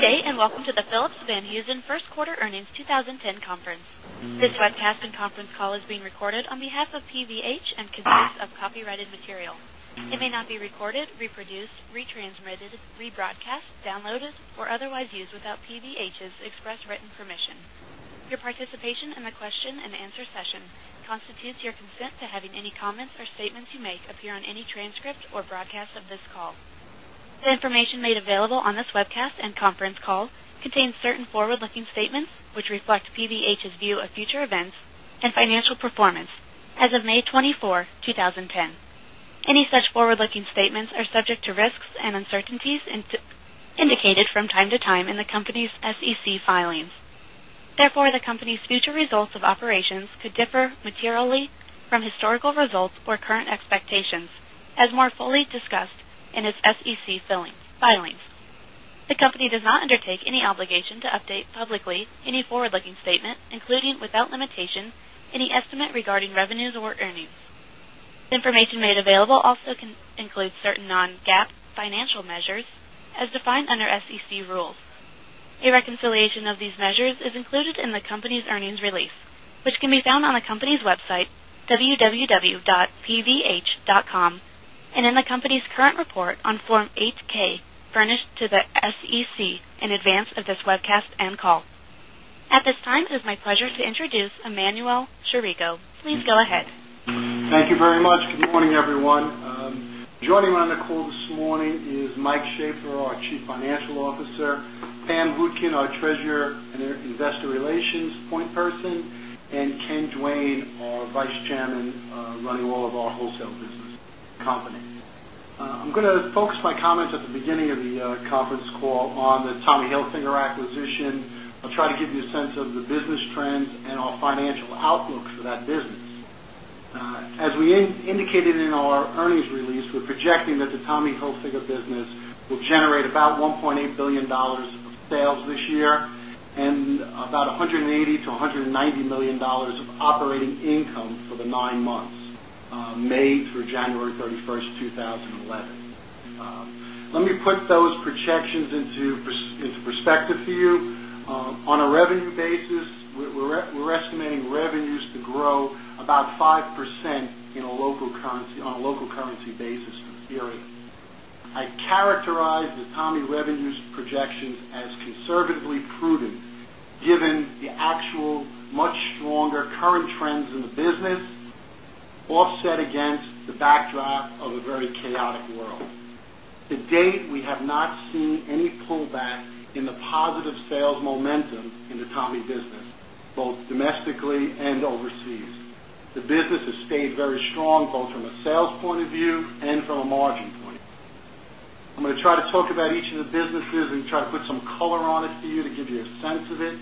Good day and welcome to the Phillips Van Housen First Quarter Earnings 2010 Conference. This webcast and conference call is being recorded on behalf of PVH and consists of copyrighted material. It may not be recorded, reproduced, retransmitted, rebroadcast, downloaded or otherwise used without PVH's expressed written permission. Your participation in the question and answer session constitutes your consent to having any comments or statements you make appear on any transcript or broadcast of this call. The information made available on this webcast and conference call contains certain forward looking statements, which reflect PVH's view of future events and financial performance as of May 24, 2010. Any such forward looking statements are subject to risks and uncertainties indicated from time to time in the company's SEC filings. Therefore, the company's future results of operations could differ materially from historical results or current expectations as more fully discussed in its SEC filings. The company does not undertake any obligation to update publicly any forward looking statement, including without limitation any estimate regarding revenues or earnings. Information made available also includes certain non GAAP financial measures as defined under SEC rules. A reconciliation of these measures is included in company's earnings release, which can be found on the company's website, www.pvh.com, and in the company's current report on Form 8 ks furnished to the SEC in advance of this webcast and call. At this time, it is my pleasure to introduce Emmanuel Chirico. Please go ahead. Thank you very much. Good morning, everyone. Joining me on the call this morning is Mike Schaeffer, our Chief Financial Officer Pam Butkin, our Treasurer and Investor Relations point person and Ken Duane, our Vice Chairman running all of our wholesale business company. I'm going to focus my comments at the beginning of the conference call on the Tommy Hilfiger acquisition. I'll try to give you a sense of the business trends. The Tommy Hilfiger acquisition. I'll try to give you a sense of the business trends and our financial outlook for that business. As we indicated in our earnings release, we're projecting that the Tommy Hilfiger business will generate about $1,800,000,000 of sales this year and about $180,000,000 to 100 and 90 this year and about $180,000,000 to $190,000,000 of operating income for the 9 months, May through January 31, 2011. Let me put those projections into perspective for you. On a revenue basis, we're estimating revenues to grow about 5% in a local currency on a local currency basis from theory. I characterize the Tommy revenues projections as conservatively prudent given the actual much stronger current trends in the business, offset against the backdrop of a very chaotic world. To date, we have not seen any pullback in the positive sales momentum in the Tommy business, both domestically and overseas. The business has stayed very strong, both from a sales point of view and from a margin point. I'm going to try to talk about each of the businesses and try to put some color on it for you to give you a sense of it.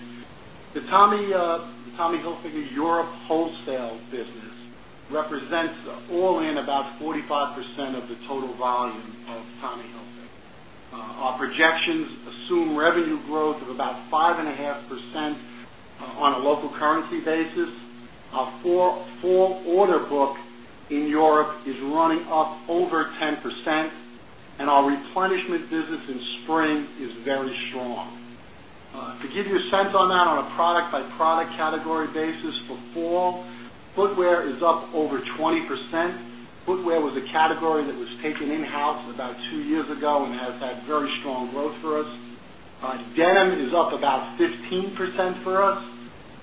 The Tommy Hilfiger Europe Wholesale Business represents all in about 45% of the total volume of Tommy Hilfiger. Our projections assume revenue growth of about 5.5% on a local currency basis. Our full order book in Europe is running up over 10% and our replenishment business in spring is very strong. To give you a sense on that on a product by product category basis for fall, footwear is up over 20%. Footwear was a category that was taken in house about 2 years ago and has had very strong growth for us. Denim is up about 15% for us.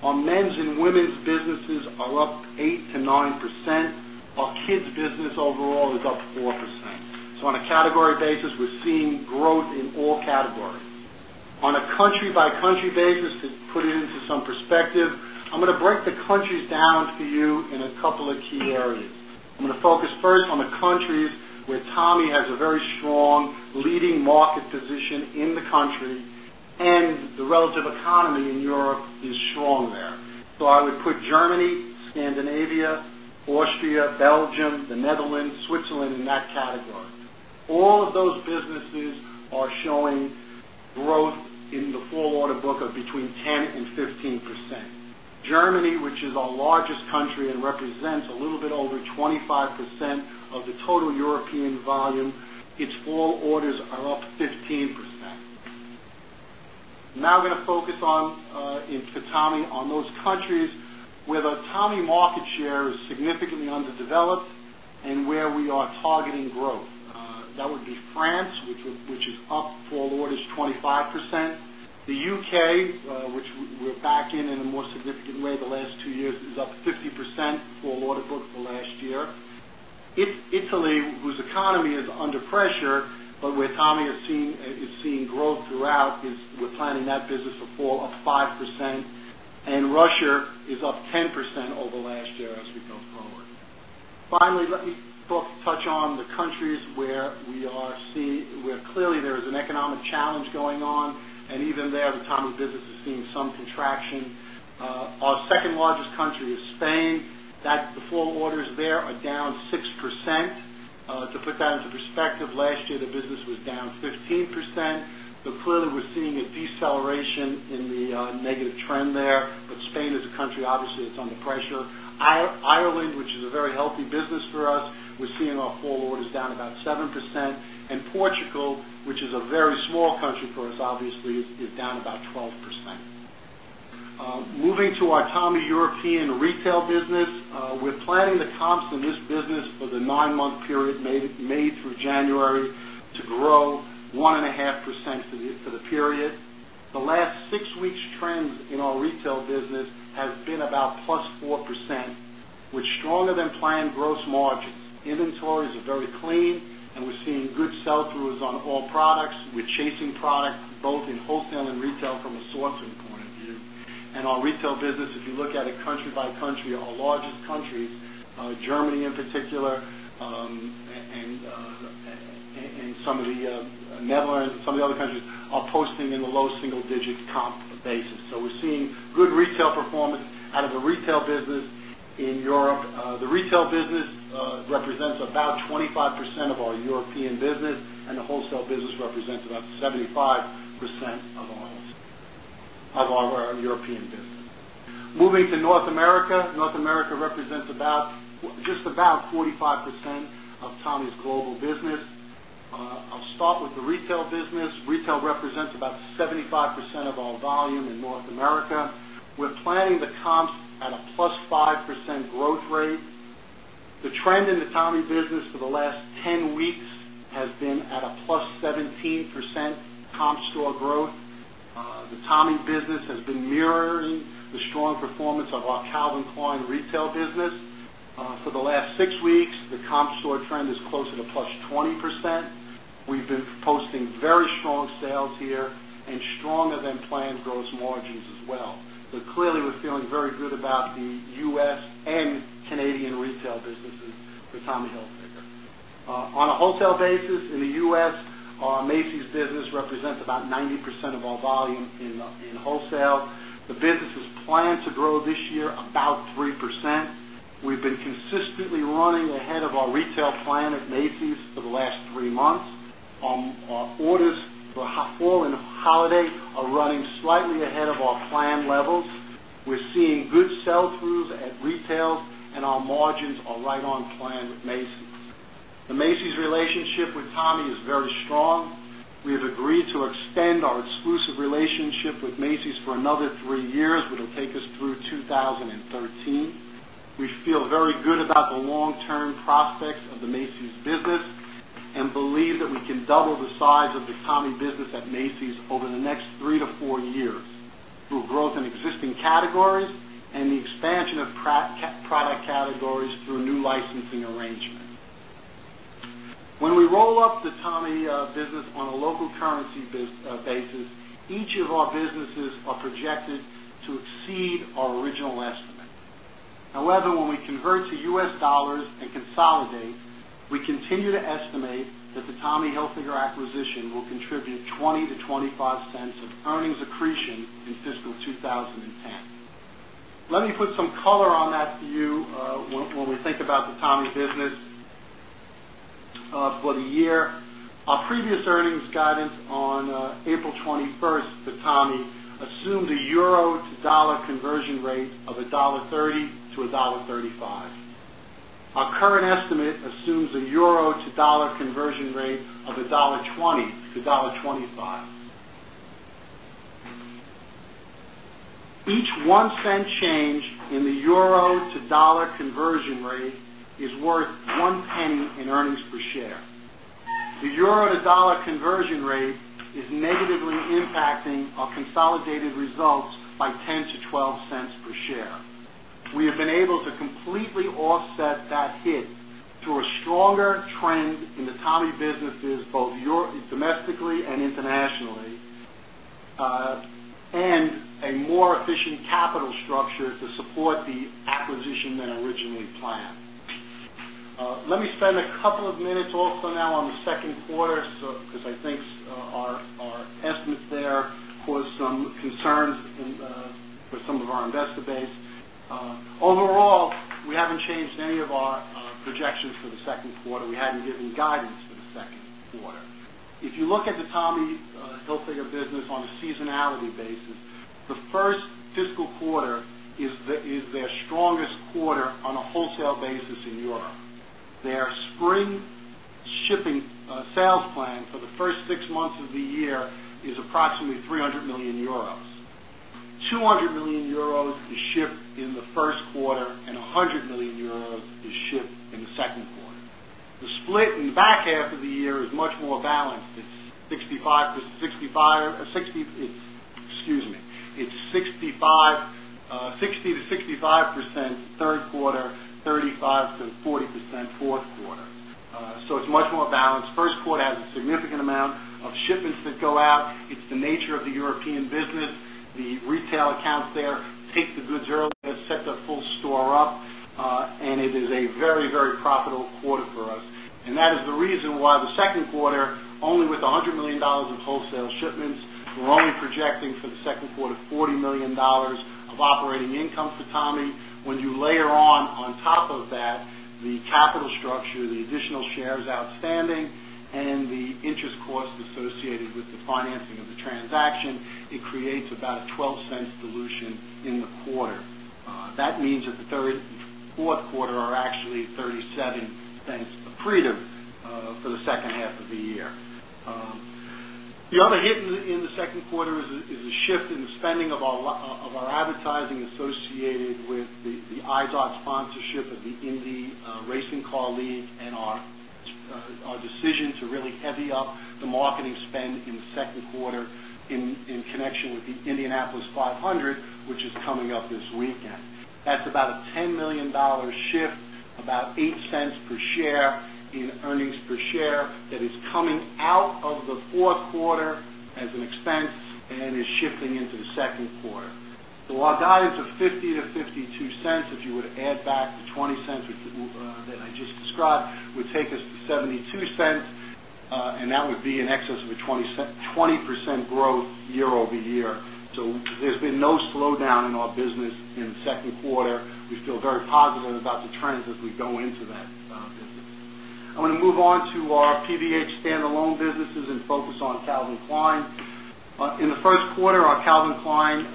Our men's and women's businesses are up 8% to 9%. Our kids business overall is up 4%. So on a category basis, we're seeing growth in all categories. On a country by country basis to put it into some perspective, I'm going to break the countries down for you in a couple of key areas. I'm going to focus first on the countries where Tommy has a very strong leading market position in the country and the relative economy in Europe is strong there. So, I would put Germany, Scandinavia, Austria, Belgium, the Netherlands, Switzerland in that category. All of those businesses are showing growth in the full order book of between 10% 15%. Germany, which is our largest country and represents a little bit over 25% of the total European volume, its full orders are up 15%. Now, I'm going to focus on in Fatami on those countries where the Fatami market share is significantly underdeveloped and where we are targeting growth. That would be France, which is up full orders 25%. The UK, which we're back in a more significant way the last 2 years is up 50% full order book for last year. Italy, whose economy is under pressure, but where Tommy is seeing growth throughout is we're planning that business to fall up 5% and Russia is up 10% over last year as we go forward. Finally, let me Finally, let me both touch on the countries where we are see where clearly there is an economic challenge going on and even there the time of business is seeing some contraction. Our 2nd largest country is Spain, that the flow orders there are down 6%. To put that into perspective, last year, the business was down 15%. So clearly, we're seeing a deceleration in the negative trend there, but Spain is a country, obviously, it's under pressure. Ireland, which is a very healthy business for us, we're seeing our haul orders down about 7% and Portugal, which is a very small country for us, obviously, is down about 12%. Moving to our Tommy European Retail business, we're planning the comps in this business for the 9 month period May through January to grow 1.5% for the period. The last 6 weeks trends in our retail business has been about plus 4%, with stronger than planned gross margins. Inventories are very clean and we're seeing good sell throughs on all products. We're chasing products both in wholesale and retail from a sourcing point of view. And our retail business, if you look at it country by country, our largest countries, Germany in particular and some of the Netherlands, some of the other countries are posting in the low single digit comp basis. So we're seeing good retail performance out of the retail business in Europe. The retail business represents about 25% of our European business and the wholesale business represents about 75% of our European business. Moving to North America, North America represents about just about 45% of Tommy's global business. I'll start with the retail business. Retail represents about 75% of our volume in North America. We're planning the comps at a plus percent comp store growth. Been posting very strong sales here and stronger than planned gross margins as well. So clearly, we're feeling very good about the U. S. And Canadian retail businesses for Tommy Hilfiger. On a wholesale basis, in the U. S, Macy's business represents about 90% of our volume in wholesale. The business is planned to grow this year about 3%. We've been consistently ahead of our retail plan at Macy's for the last 3 months. Our orders for fall in holiday are running slightly ahead of our plan levels. We're seeing good sell throughs at retail and our margins are right on plan with Macy's. The Macy's relationship with Tommy is very strong. We have agreed to extend our exclusive relationship with Macy's for another 3 years, which will take us through 2013. We feel very good about the long term prospects of the Macy's business and believe that we can double the size of the Tommy business at Macy's over the next 3 to 4 years through growth in existing categories and the expansion of product categories through new licensing arrangements. Categories through new licensing arrangement. When we roll up the Tommy business on a local currency basis, each of our businesses are projected to exceed our original estimate. However, when we convert to U. S. Dollars and consolidate, we continue to estimate that the Tommy Hilfiger acquisition will contribute $0.20 to 0 point $5 of earnings accretion in fiscal 2010. Let me put some color on that to you when we think about the Tommy business for the year. Our previous earnings guidance on April 20 1 for Tommy assumed a euro to dollar conversion rate of $1.30 to 1 $0.35 Our current estimate assumes a euro to dollar conversion rate of $1.20 to 1 point $2.5 Each $0.01 change in the euro to dollar conversion rate is worth 1p in earnings per share. The euro to dollar euro to dollar conversion rate is negatively impacting our consolidated results by $0.10 to $0.12 per share. We have been able to completely offset that hit through a stronger trend in the Tommy businesses both domestically and internationally and also now on the Q2, because I think our estimates there caused some concerns for some of our investor base. Overall, we haven't changed any of our projections for the Q2. We hadn't given guidance for the Q2. If you look at the Tommy Hilfiger business on a seasonality basis, the 1st fiscal quarter is their strongest quarter on a wholesale basis in Europe. Their spring shipping sales plan for the 1st 6 months of the year is approximately €300,000,000 €200,000,000 is shipped in the 1st quarter and 100 euros 100,000,000 to ship in the Q2. The split in the back half of the year is much more balanced. It's 60% to 65% 3rd quarter, 35% to 40% 4th quarter. So, it's much more balanced. 1st quarter has a significant amount of shipments that go out. It's the nature of the European business. The retail accounts there take the goods early has set the full store up and it is a very, very profitable quarter for us. And that is the reason why the Q2 only with $100,000,000 of wholesale shipments, we're only projecting for the second quarter $40,000,000 of operating income for Tommy. When you layer on top of that the capital structure, the additional shares outstanding and the interest costs associated with the financing of the transaction, it creates about a $0.12 dilution in the quarter. That means that the 3rd 4th quarter are actually $0.37 accretive for the second half of the year. The other hit in the second quarter is a shift in the spending of our advertising associated with the ISOC sponsorship of the Indy Racing Car League and our decision to really heavy up the marketing spend in the second quarter in connection with the Indianapolis 500, which is coming up this weekend. That's about a $10,000,000 shift, about $0.08 per share in earnings per share that is coming out of the 4th quarter as an expense and is shifting into the Q2. So our guidance of $0.50 to $0.52 if you would add back to $0.20 that I just described would take us to $0.72 and that would be in excess of 20% growth year over year. So there's been no slowdown in our business in the Q2. We feel very positive about the trends as we go into that business. I want to move on to our PVH standalone businesses and focus on Calvin Klein. In the first quarter, our Calvin Klein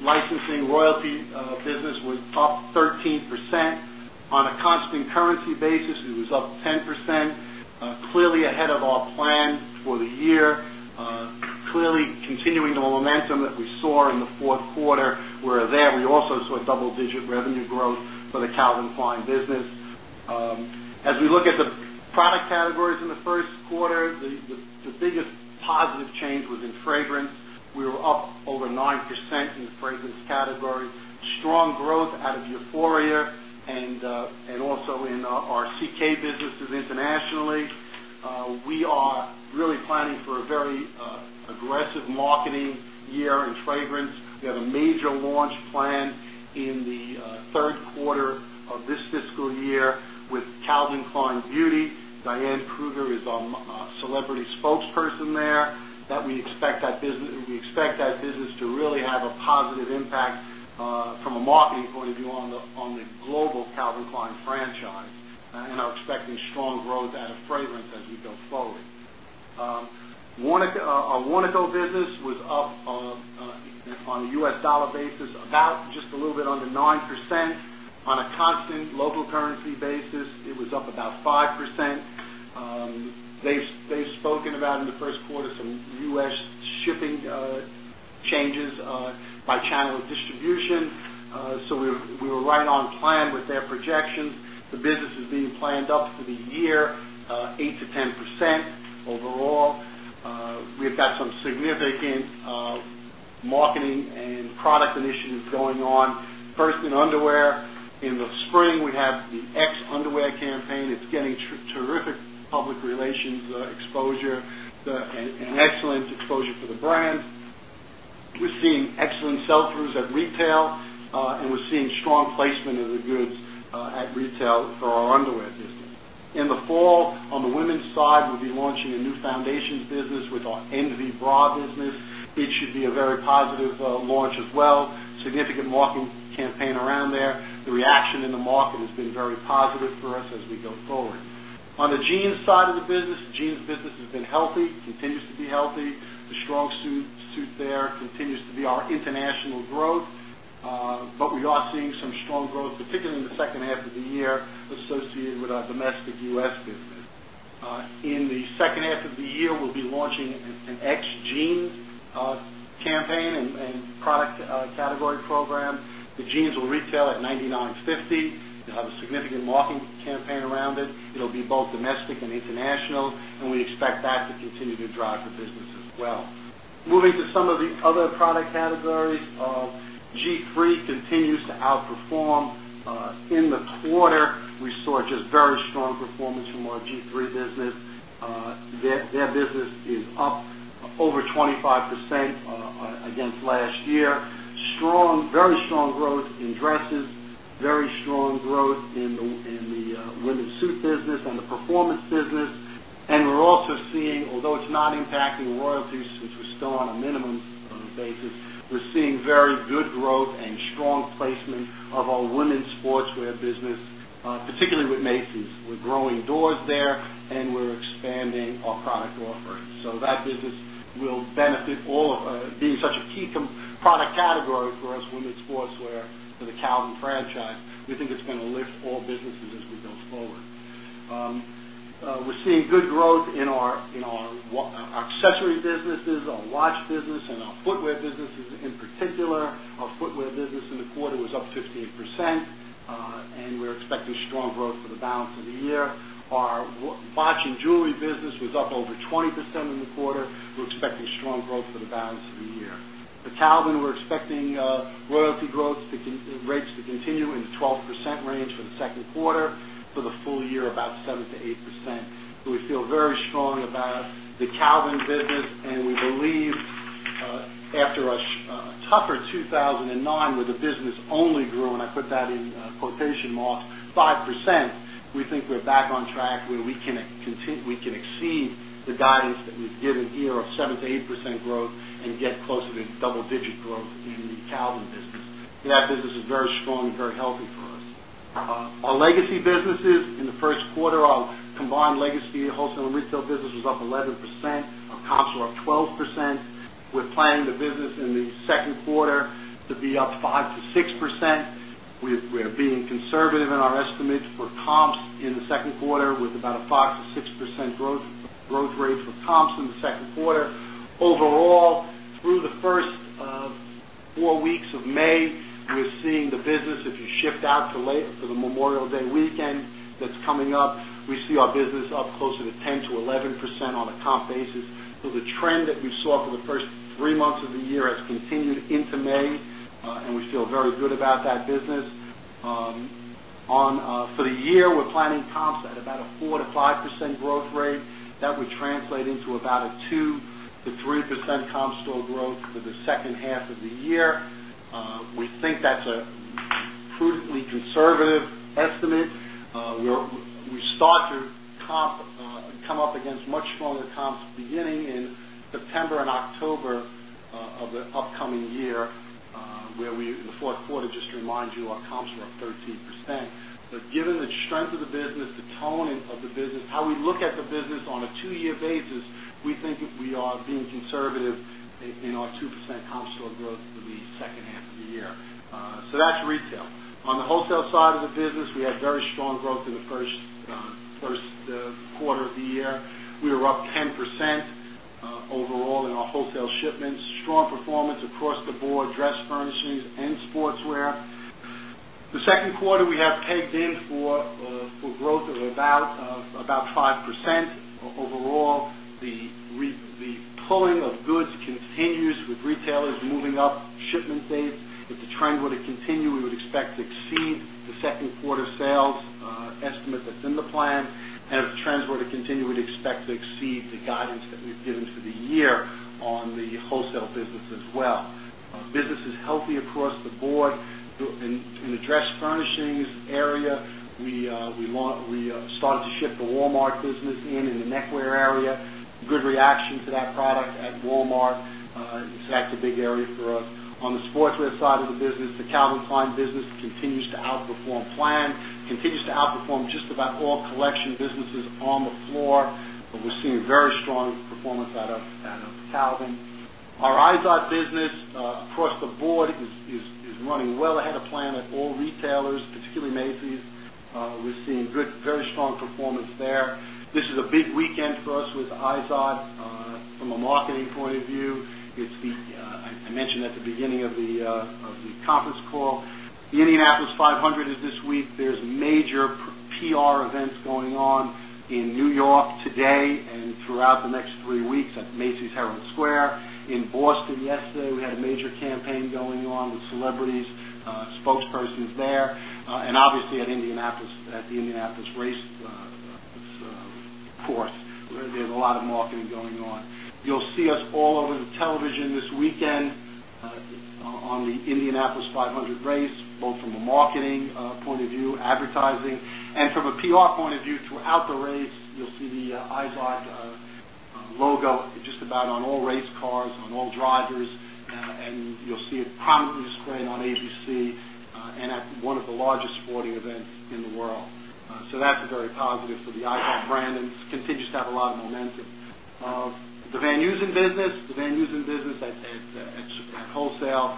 licensing royalty business was up 13%. On a constant currency basis, it was up 10%, clearly ahead of our plan for the year, clearly continuing the momentum that we saw in the Q4, where there we also saw double digit revenue growth for the Calvin Klein business. As we look at the product categories in the Q1, the positive change was in fragrance. We were up over 9% in fragrance category, strong growth out of euphoria and also in our CK businesses internationally. We are really planning for a very aggressive marketing year in fragrance. We have a major launch plan in the Q3 of this fiscal year with Calvin Klein Beauty. Diane Kruger is our celebrity spokesperson there that we expect that business to really have a positive impact from a marketing point of view on the global Calvin Klein franchise and are expecting strong growth out of fragrance as we go forward. Our Wannaco business was up on the U. S. Dollar basis about just a little bit under 9%. On a constant local currency basis, it was up about 5%. They've spoken about in the Q1 some U. S. Shipping changes by channel distribution. So we were right on plan with their projections. The business is being planned up for the year 8% to 10% overall. We've got some significant marketing and product initiatives going on. 1st in underwear, in the spring we have the X Underwear campaign, it's getting terrific public relations exposure and excellent exposure for the brand. We're seeing excellent sell throughs at retail and we're seeing strong placement in the goods at retail for our underwear business. In the fall, on the women's side, we'll be launching a new foundations business with our ENVY bra business. It should be a very positive launch as well, significant marketing campaign around there. The reaction in the market has been very positive for us as we go forward. On the jeans side of the business, jeans business has been healthy, continues to be healthy. The strong suit there continues to be our international growth, but we are seeing some strong growth, particularly in the second half of the year associated with our domestic U. S. Business. In the second half of the year, we'll be launching an ex jeans campaign and product category program. The jeans will retail at $99.50, continue to drive the business as well. Moving to some of the other product categories, G3 continues to outperform in the quarter. We saw just very strong performance from our G3 business. Their business is up over 25% against last year. Strong, very strong growth in dresses, very strong growth in the women's suit business and the performance business. And we're also seeing although it's not impacting royalties, which we're still on a minimum basis, we're seeing very good growth and strong placement of our women's sportswear business, particularly with Macy's. We're growing doors there and we're expanding offer. So that business will benefit all of being such a key product category for us women's sportswear for the Calvin franchise. We think it's going to lift all businesses as we go forward. We're seeing good growth in our accessory businesses, our watch business and our footwear businesses in particular. Our footwear business in the quarter was up 15% and we're expecting strong growth for the balance of the year. Our watch and jewelry business was up over 20% in the quarter. We're expecting strong growth for the balance of the year. The Calvin, we're expecting royalty growth rates to continue in the 12% range for the Q2, for the full year about 7% to 8%. We feel very strongly about the Calvin business and we believe after a tougher 2,009 with the business only grew and I put that in quotation marks 5%, we think we're back on track where we can continue we can exceed the guidance that we've given here of 7% to 8% growth and get closer to double digit growth in the Calvin business. That business is very strong and very healthy for us. Our legacy businesses in the Q1, our combined legacy wholesale and retail business was up 11%, our comps were up 12%. We're planning the business in the 2nd quarter to be up 5% to 6%. We are being conservative in our estimate for comps in the 2nd quarter with about a 5% to 6% growth rate for comps in the 2nd quarter. Overall, through the 1st 4 weeks of May, we're seeing the business if you shift out to late for the Memorial Day weekend, that's coming up. We see our business up closer to 10% to 11% on a comp basis. So the trend that we saw for the 1st 3 months of the year has continued into May and we feel very good about that business. For the year, we're planning comps at about a 4% to 5% growth rate that would translate into about a 2% to 3% comp store growth for the second half of the year. We think that's a prudently conservative estimate. We start to comp estimate. We start to comp come up against much smaller comps beginning in September October of the upcoming year where we in the Q4 just to remind you, our comps were up 13%. But given the strength of the business, the tone of the business, how we look at the business on a 2 year basis, we think we are being conservative in our 2% comp store growth for the second half of the year. So that's retail. On the wholesale side of the business, we had very strong growth in the Q1 of the year. We were up 10% overall in our wholesale shipments, strong performance across the board dress furnishings and sportswear. The Q2 we have pegged in for growth of about 5%. Overall, the pulling of goods continues with retailers moving up shipment dates. If the trend were to continue, we would expect to exceed the 2nd quarter sales estimate that's in the plan. And if trends were to continue, we'd expect to exceed the guidance that we've given for the year on the wholesale business as well. Business is healthy across the board. In the dress furnishings area, we started to ship the Walmart business in the neckwear area, good reaction to that product at Walmart. In fact, a big area for us. On the sportswear side of the business, the Calvin Klein business continues to outperform plan, continues to outperform just about all collection businesses on the floor, but we're seeing very strong performance out of Calvin. Our eyesight business across the board is running well ahead of plan at all retailers, particularly Macy's. We're seeing good, very strong performance there. This is a big weekend for us with eyesight from a marketing point of view. It's the I mentioned at the beginning of the conference call. The Indianapolis 500 is this week. There's major PR events going on in New York today and throughout the next 3 weeks at Macy's Square. In Boston, yesterday, we had a major campaign going on with celebrities, spokespersons there. And obviously, at Indianapolis, at the Indianapolis race course, there's a lot of marketing going on. You'll see us all over the television this weekend on the Indianapolis 500 race, both from a marketing point of view, advertising. And from a PR point of view throughout the race, you'll see the eyesight logo just about on all race cars, on all drivers, and you'll see it prominently displayed on ABC and at one of the largest sporting events in the world. So that's a very positive for the iPad brand and continues to have a lot of momentum. The Van Usen business, the Van Usen business at wholesale,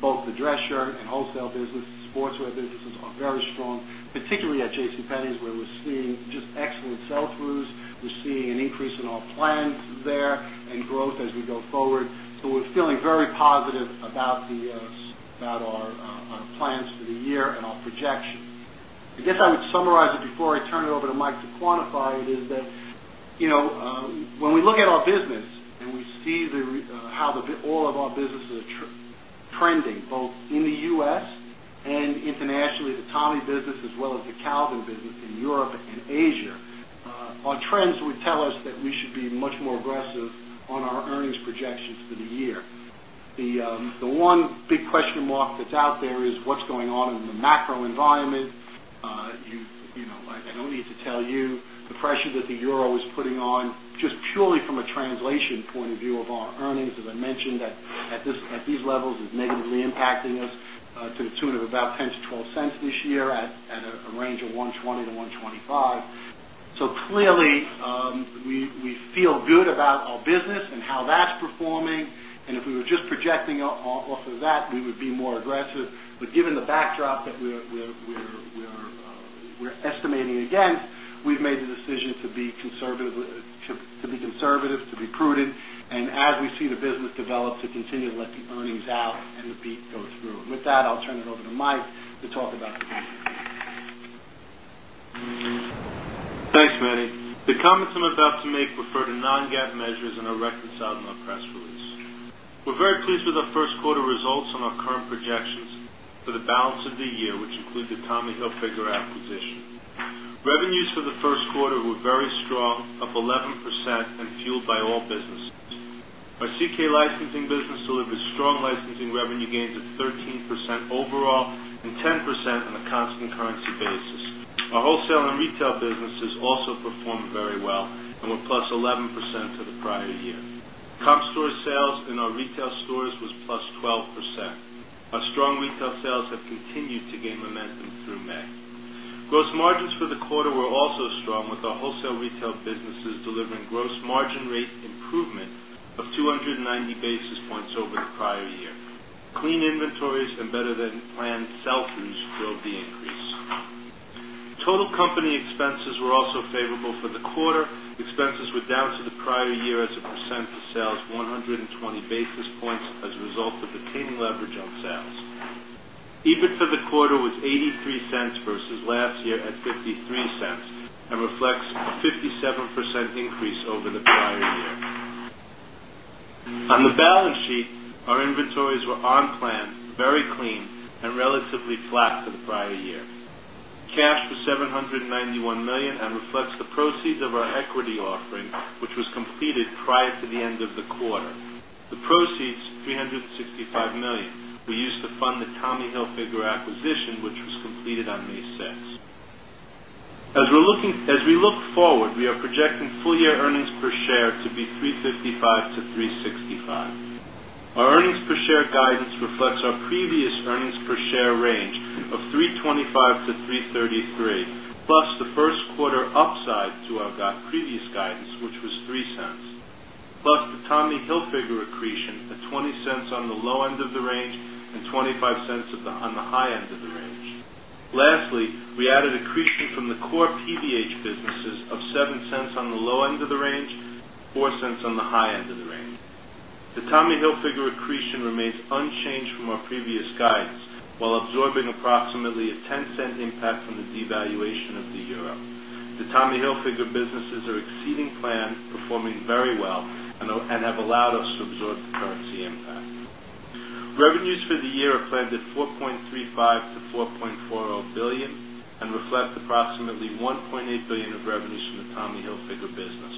both the dress shirt and wholesale business, sportswear businesses are very strong, particularly at JCPenney's where we're seeing just excellent sell throughs. We're seeing an increase in our plans there and growth as we go forward. So we're when we look at our business and we see how the all of the when we look at our business and we see how all of our businesses are trending both in the U. S. And internationally, the Tommy business as well as the Calvin business in Europe and Asia, our trends would tell us that we should be much more aggressive on our earnings projections for the year. The one big question mark that's out there is what's going on in the macro environment. I don't need to tell you the pressure the euro is putting on just purely from a translation point of view of our earnings, as I mentioned that at these levels is negatively impacting us to the tune of about $0.10 to $0.12 this year at a range of $1.20 to 1.25 clearly, we feel good about our business and how that's performing. And if we were just projecting off of that, we would be more aggressive. But given the backdrop that we're estimating against, we've made the decision to be conservative to beat go through. With that, I'll turn it over to Mike to talk about the business. Thanks, Manny. The comments I'm about to make refer to non GAAP measures and are reconciled in our press release. We're very pleased with our Q1 results and our current projections for the balance of the year, which include the Tommy Hilfiger acquisition. Revenues for the Q1 were very strong, up 11% and fueled by all business. Our CK licensing business delivered strong licensing revenue gains of 13% overall and 10% on a constant currency basis. Our wholesale and retail businesses also performed very well and were plus 11% for the prior year. Comp store sales in our retail stores was plus 12%. Our strong retail sales have continued to gain momentum through May. Gross margins for the quarter were also strong with our wholesale retail businesses delivering gross margin rate improvement of 2.90 basis points over the prior year. Clean inventories and better than planned sell throughs drove the increase. Total company expenses were also favorable for the quarter. Expenses were down to the prior year as a percent of sales 120 basis points as a result of the team leverage on sales. EBIT for the quarter was $0.83 versus last year at $0.53 and reflects 57% increase over the prior year. On the balance sheet, our inventories were on plan, very clean and relatively flat for the prior year. Cash was $791,000,000 and reflects the proceeds of our equity offering, which was completed prior to the end of the quarter. The proceeds $365,000,000 were used to fund the Tommy Hilfiger acquisition, which was completed on May 6. As we're looking as we look forward, we are projecting full year earnings per share to be $3.55 to $3.65 Our earnings per share guidance reflects our previous earnings per share range of $3.25 to $3.33 plus the Q1 upside to our previous guidance, which was $0.03 plus the Tommy Hilfiger accretion of $0.20 on the low end of the range and $0.25 on the high end of the range. Lastly, we added accretion from the core PVH businesses of $0.07 on the low end of the range, dollars 0.04 dollars 0.04 on the high end of the range. The Tommy Hilfiger accretion remains unchanged from our previous guidance, while absorbing approximately a $0.10 impact from the devaluation of the euro. The Tommy Hilfiger businesses are exceeding plan, performing very well and have allowed us to absorb the currency impact. $4,350,000,000 to $4,401,000,000 and reflect approximately $1,800,000,000 of revenues from the Tommy Hilfiger business.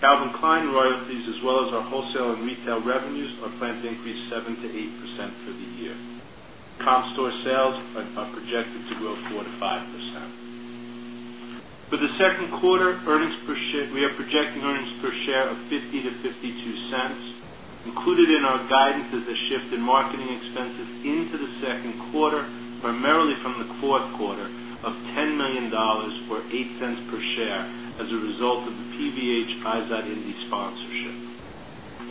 Calvin Klein royalties as well as our wholesale and retail revenues are planned to increase 7% to 8% for the year. Comp store sales are projected to grow 4% to 5%. For the Q2, earnings per share we are projecting earnings per share of $0.50 to $0.52 Included in our guidance is a shift in marketing expenses into the Q2, primarily from the Q4 of $10,000,000 or $0.08 per share as a result of the PVH Pizot Indy sponsorship.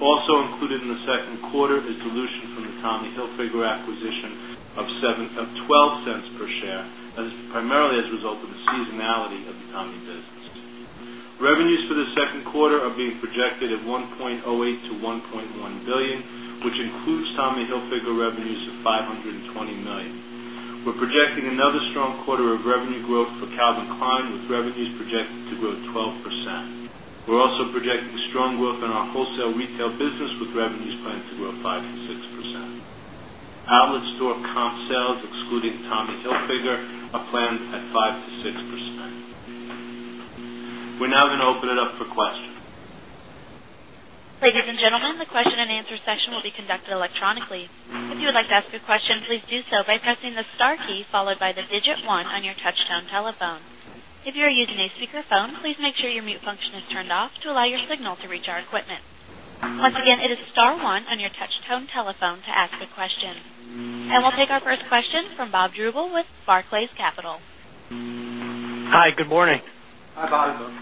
Also included in the 2nd quarter is dilution from the Tommy Hilfiger acquisition of $0.12 per share as primarily as a result of the seasonality of Tommy Business. Revenues for the Q2 are being projected at $1,080,000,000 to $1,100,000,000 which includes Tommy Hilfiger revenues of $520,000,000 We're projecting another strong quarter of revenue growth for Calvin Klein with revenues projected to grow 12%. We're also projecting strong growth in our wholesale retail business with revenues planned to grow 5% to 5% strong growth in our wholesale retail business with revenues planned to grow 5% to 6%. Outlet store comp sales excluding Tommy Hilfiger are planned at 5% to 6%. We're now going open it up for questions. Ladies and gentlemen, the question and answer session will be conducted electronically. You. And we'll take our first question from Bob Drbul with Barclays Capital. Hi, good morning. Hi, Bob.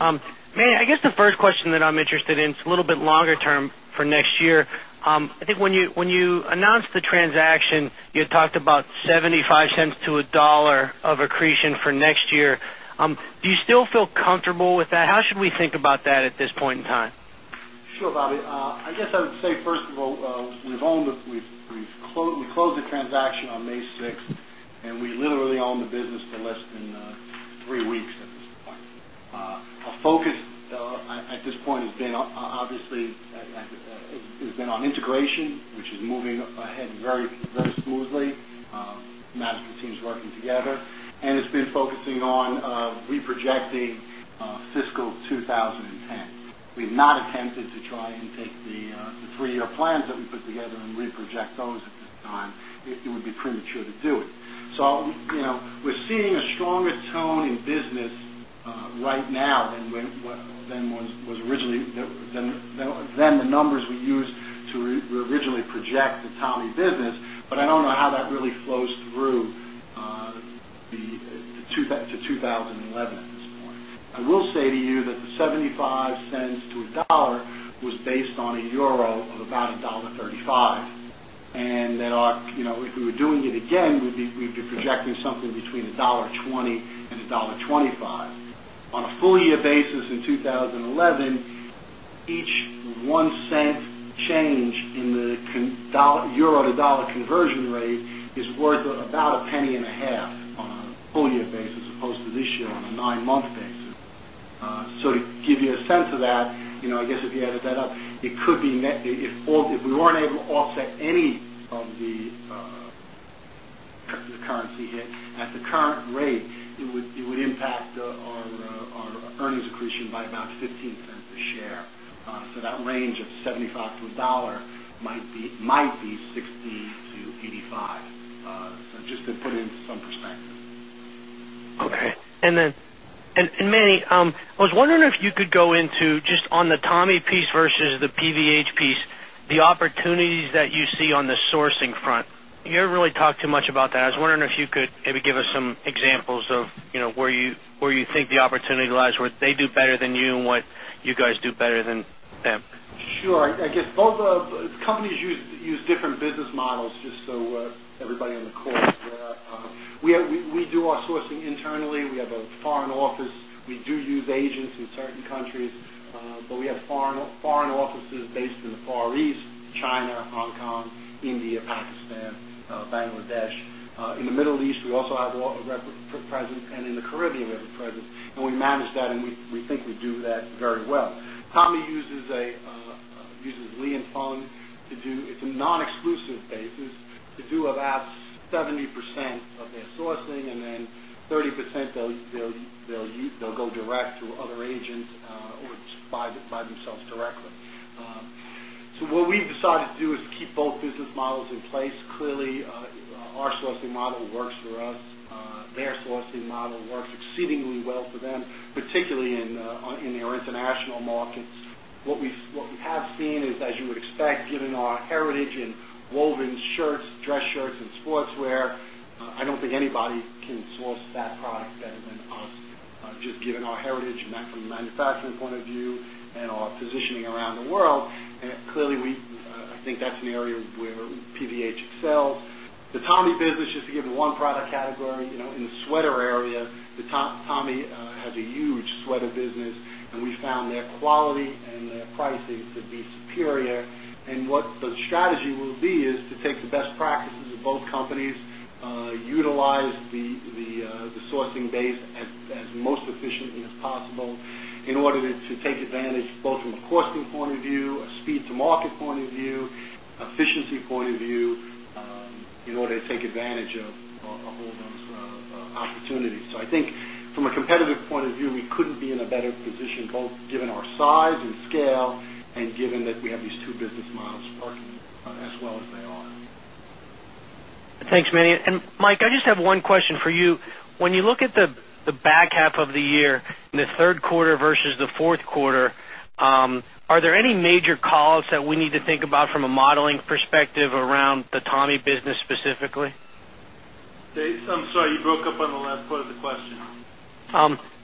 I guess the first question that I'm interested in, it's a little bit longer term for next year. I think when you announced the transaction, you had talked about $0.75 to $1 of accretion for next year. Do you still feel comfortable with that? How should we think about that at this point in time? Sure, Bobby. I guess I would say, first of all, we've owned we've closed the transaction on May 6, and we literally own the business for less than 3 weeks. Our focus at this point has been obviously has been on integration, which is moving ahead very smoothly. Management team is working together and it's been focusing on re projecting fiscal 2010. We've not attempted to try and take the 3 year plans that we put together and re project those at this time, it would be premature to do it. So we're seeing a stronger tone in business right now than was originally than the numbers we use to originally project the Tommy business, but I don't know how that really flows through to 2011 at this point. I will say to you that the $0.75 to $1 was based on a euro of about $1.35 and that are if we were doing it again, we'd be projecting something between $1.20 $1.25 On a full year basis in 2011, each $0.01 change in the euro to dollar conversion rate is worth about $0.01 on a full year basis as opposed to this year on a 9 month basis. So to give you a sense of that, I guess if you added that up, it could be net if we weren't able to offset any of the the currency hit at the current rate, it would impact our earnings accretion by about $0.15 a share. So that range of $0.75 to $1 might be $0.60 to 0.85 so just to put it into some perspective. Okay. And then and Manny, I was wondering if you could go into just on the Tommy piece versus the PVH piece, the opportunities that you see on the sourcing front, you haven't really talked too much about that. I was wondering if you could maybe give us some examples of where you think the opportunity lies, what they do better than you and what you guys do better than them? Sure. I guess both of companies use different business models just so everybody on the call. We do our sourcing internally. We have a foreign office. We do use agents in certain countries, but we have foreign offices based in the Far East, China, Hong Kong, India, Pakistan, Bangladesh. In the Middle East, we also have a record presence and in the Caribbean, we have a presence and we manage that and we think we do that very well. Tommy uses Lee and Fong to do it's a non exclusive basis to do about 70% of their sourcing and then 30% they'll go direct to other agents or by themselves directly. So what we've decided to do is keep both business models in place. Clearly, our sourcing model works for us. Their sourcing model works exceedingly well for them, particularly in their international markets. What we have seen is, as you would expect, given our heritage in woven shirts, dress shirts and sportswear, I don't think anybody can source that product better than us, just given our heritage from the manufacturing point of view and our positioning around the world. And clearly, we I think that's an area where PVH itself. The Tommy business, just to give you one product category in the sweater area, Tommy has a huge sweater business and we found their quality and their pricing to be superior. And what the strategy will be is to take the best practices of both companies, utilize the sourcing base as most efficiently as possible in order to take advantage both from a costing point of view, a speed to market point of view, efficiency point of view in order to take advantage of all those opportunities. So I think from a competitive point of view, we couldn't be in a better position both given our size and scale and given that we have these 2 business models parking as well as they are. Thanks, Meny. And Mike, I just have one question for you. When you look at the back half of the year, the Q3 versus the Q4, are there any major calls that we need to think about from a modeling perspective around the Tommy business specifically? Dave, I'm sorry, you broke up on the last part of the question.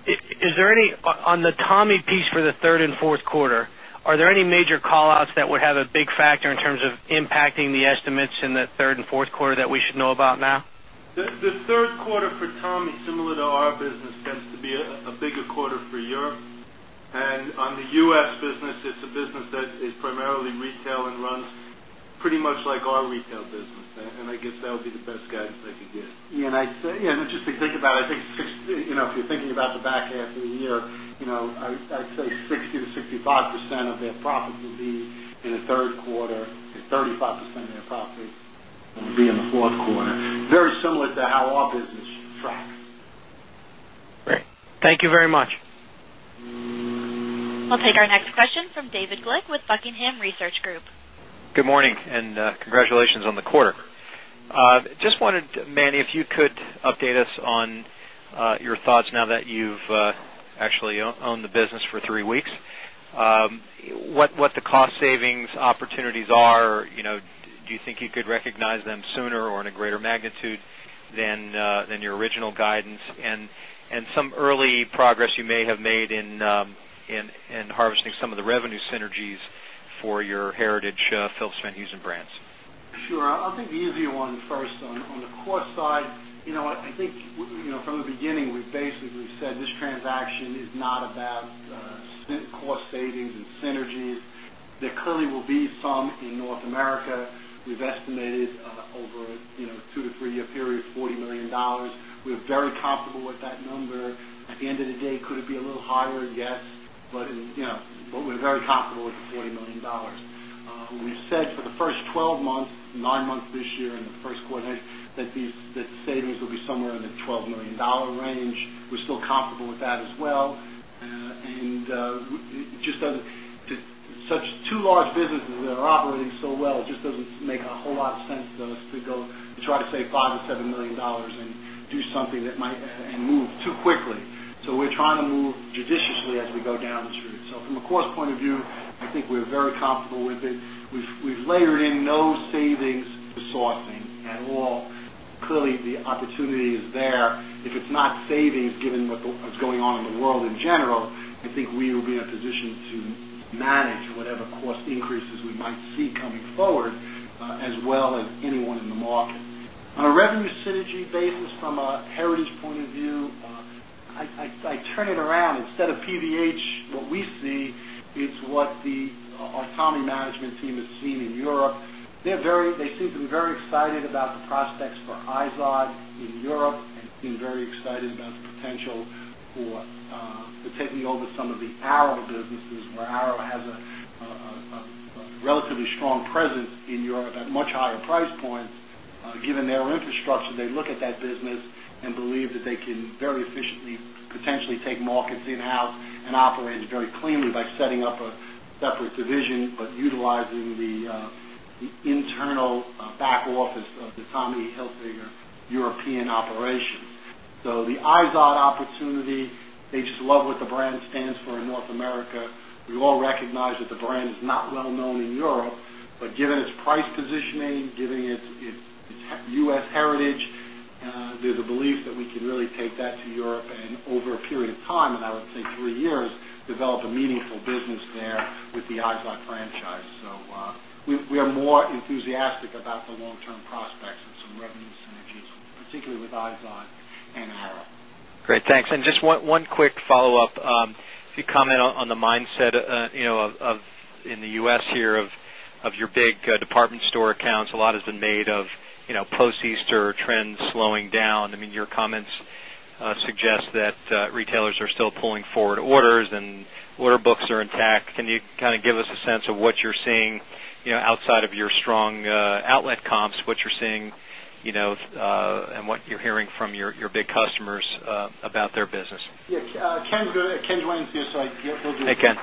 Is there any on the Tommy piece for the 3rd Q4, are there any major callouts that would have a big factor in terms of impacting the estimates in the 3rd Q4 that we should know about now? The Q3 for Tommy similar to our business tends to be a bigger quarter for Europe. And on the U. S. Business, it's a business that is primarily retail and runs pretty much like our retail business. And I guess that will be the best guidance I can give. And I'd say and just to think about it, I think, if you're thinking about the back half of the year, I'd say 60% to 65% of their profit will be in the 3rd quarter, 35% of their profit will be in the 4th quarter, very similar to how our business tracks. Great. Thank We'll take our next question from David Glick with Buckingham Research Group. Just wondered, Manny, if you could update us on your thoughts now that you've actually owned the business for 3 weeks. What the cost savings opportunities are? Do you think you could recognize them sooner or in a greater magnitude than your original guidance? Some early progress you may have made in harvesting some of the revenue synergies for your heritage Phillips Van Housen brands? Sure. I'll take the easy one first on the cost side. I think from the beginning, we basically said this transaction is not about day, we're $40,000,000 We're very comfortable with that number. At the end of the day, could it be a little higher? Yes. But we're very comfortable with $40,000,000 We've said for the 1st 12 months, 9 months this year and the Q1 that these these savings will be somewhere in the $12,000,000 range. We're still comfortable with that as well. And just such 2 large businesses that are operating so well, it just doesn't make a whole lot of sense to us to go and try to save $5,000,000 to $7,000,000 and do something that might move too quickly. So we're trying to move judiciously as we go down the street. So from a cost point of view, I think we're very comfortable with it. We've layered in no savings for sourcing at all. Clearly, the opportunity is there. If it's not savings given what's going on in the world in general, I think we will be in a position to manage whatever cost increases we might see coming forward as well as anyone in the market. On a revenue synergy basis from heritage point of view, I turn it around instead of PVH, what we see is what the autonomy management team has seen in Europe. They're very they seem to be very excited about the prospects for IZOD in Europe and IZOD in Europe and seem very excited about the potential for taking over some of the ARO businesses where ARO has a relatively strong presence in Europe at much higher price points. Given their infrastructure, they look at that business and believe that they can very efficiently potentially take markets in house and operate very cleanly by setting up a separate division, but utilizing the internal back office of the Tommy E. Hilfiger European operations. So the eyes on opportunity, they just love what the brand stands for in North America. We all recognize that the brand is not well known in Europe, but given its price positioning, given its U. S. Heritage, there's a belief that we can really take that to Europe and over a period of time, and I would say 3 years, develop a meaningful business there with the IGZAR franchise. So we are more enthusiastic about the long term prospects and some revenue synergies, particularly with Harrow. Great, thanks. And just one quick follow-up. If you comment on the mindset of in the U. S. Here of your big department store accounts, a lot has been made of post Easter trends slowing down. I mean, your comments suggest that retailers are still pulling forward orders and order books are intact. Can you kind of give us a sense of what you're seeing outside of your strong outlet comps, what you're seeing and what you're hearing from your big customers about their business? Ken, go ahead. Ken, do you want to see your side? Hey, Ken.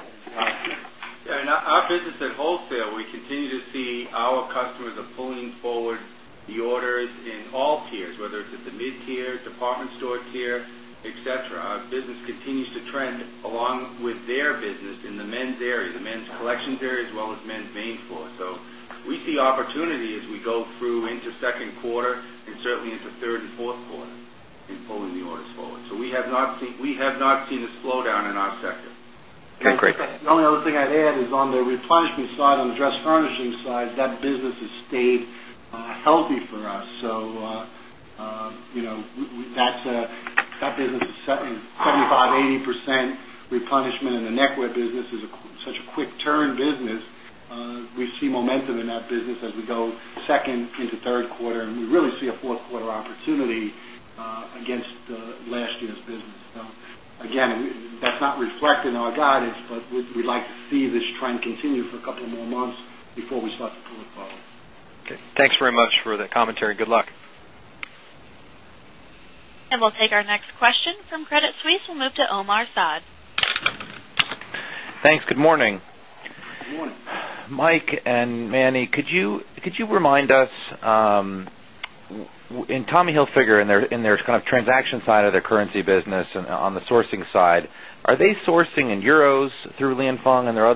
Our business at wholesale, we continue to see our customers are pulling forward the orders in all tiers, whether it's at the mid tier, department store tier, etcetera. Our business continues to trend along with their business in the men's area, the men's collections area as well as men's main floor. So we see opportunity as we go through into second quarter and certainly into 3rd Q4 in pulling the orders forward. So we have not seen a slowdown in our sector. Okay. Great. The only other thing I'd add is on the replenishment side, on the dress furnishing side, that business has stayed healthy for us. So that business is 75%, percent replenishment in the neckwear business is such a quick turn business. We see momentum in that business as we go second into third quarter and we really see a 4th quarter opportunity against last year's business. So again, that's not reflected in our guidance, but we'd like to see this trend continue for a couple of more months before we start to pull it up. Okay. Thanks very much for the commentary. Good luck. And we'll take our next question from Credit Suisse. We'll move to Omar Saad. Thanks. Good morning. Good morning. Mike and Manny, could you remind us in Tommy Hilfiger in their kind of transaction side of their currency business on the sourcing side, are they sourcing in euros through Lianfeng and their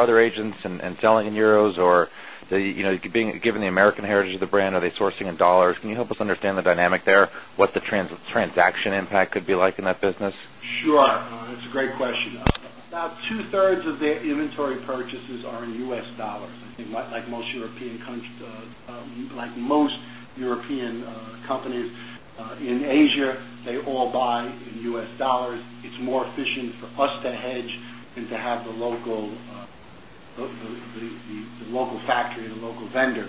other agents and selling in euros or given the American heritage of the brand, are they sourcing in dollars? Can you help us understand the dynamic there? What the transaction impact could be like in that business? Sure. It's a great question. About 2 thirds of their inventory purchases are in U. S. Dollars. I think like most European companies in Asia, they all buy in U. S. Dollars. It's more efficient for us to hedge and to have the local factory, the local vendor.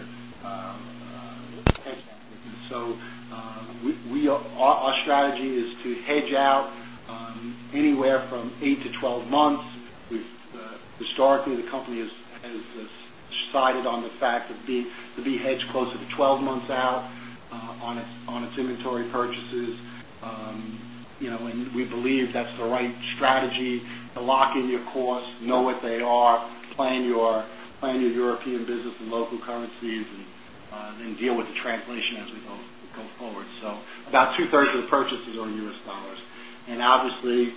So we our strategy is to hedge out anywhere from 8 to 12 months. Historically, the company has decided on the fact that we hedged closer to 12 months out on its inventory purchases. And we believe that's the right strategy to lock in your costs, know what they are, plan your European business in local currencies and then deal with the translation as we go forward. So, about 2 thirds of the purchases are in U. S. Dollars. And obviously,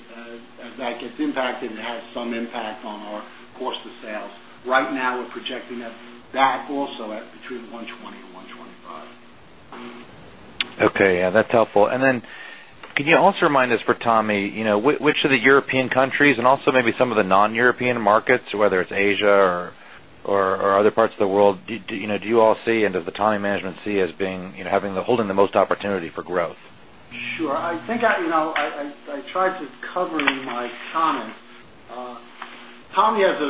as that gets impacted, it has some impact on our cost of sales. Right now, we're projecting that that also at between 120 and 125. And then can you also remind us for Tommy, which of the European countries and also maybe some of the non European markets, whether it's Asia or other parts of the world, do you all see and does the Tommy management see as being having the holding the most opportunity for growth? Sure. I think I tried to cover in my comments. Tommy has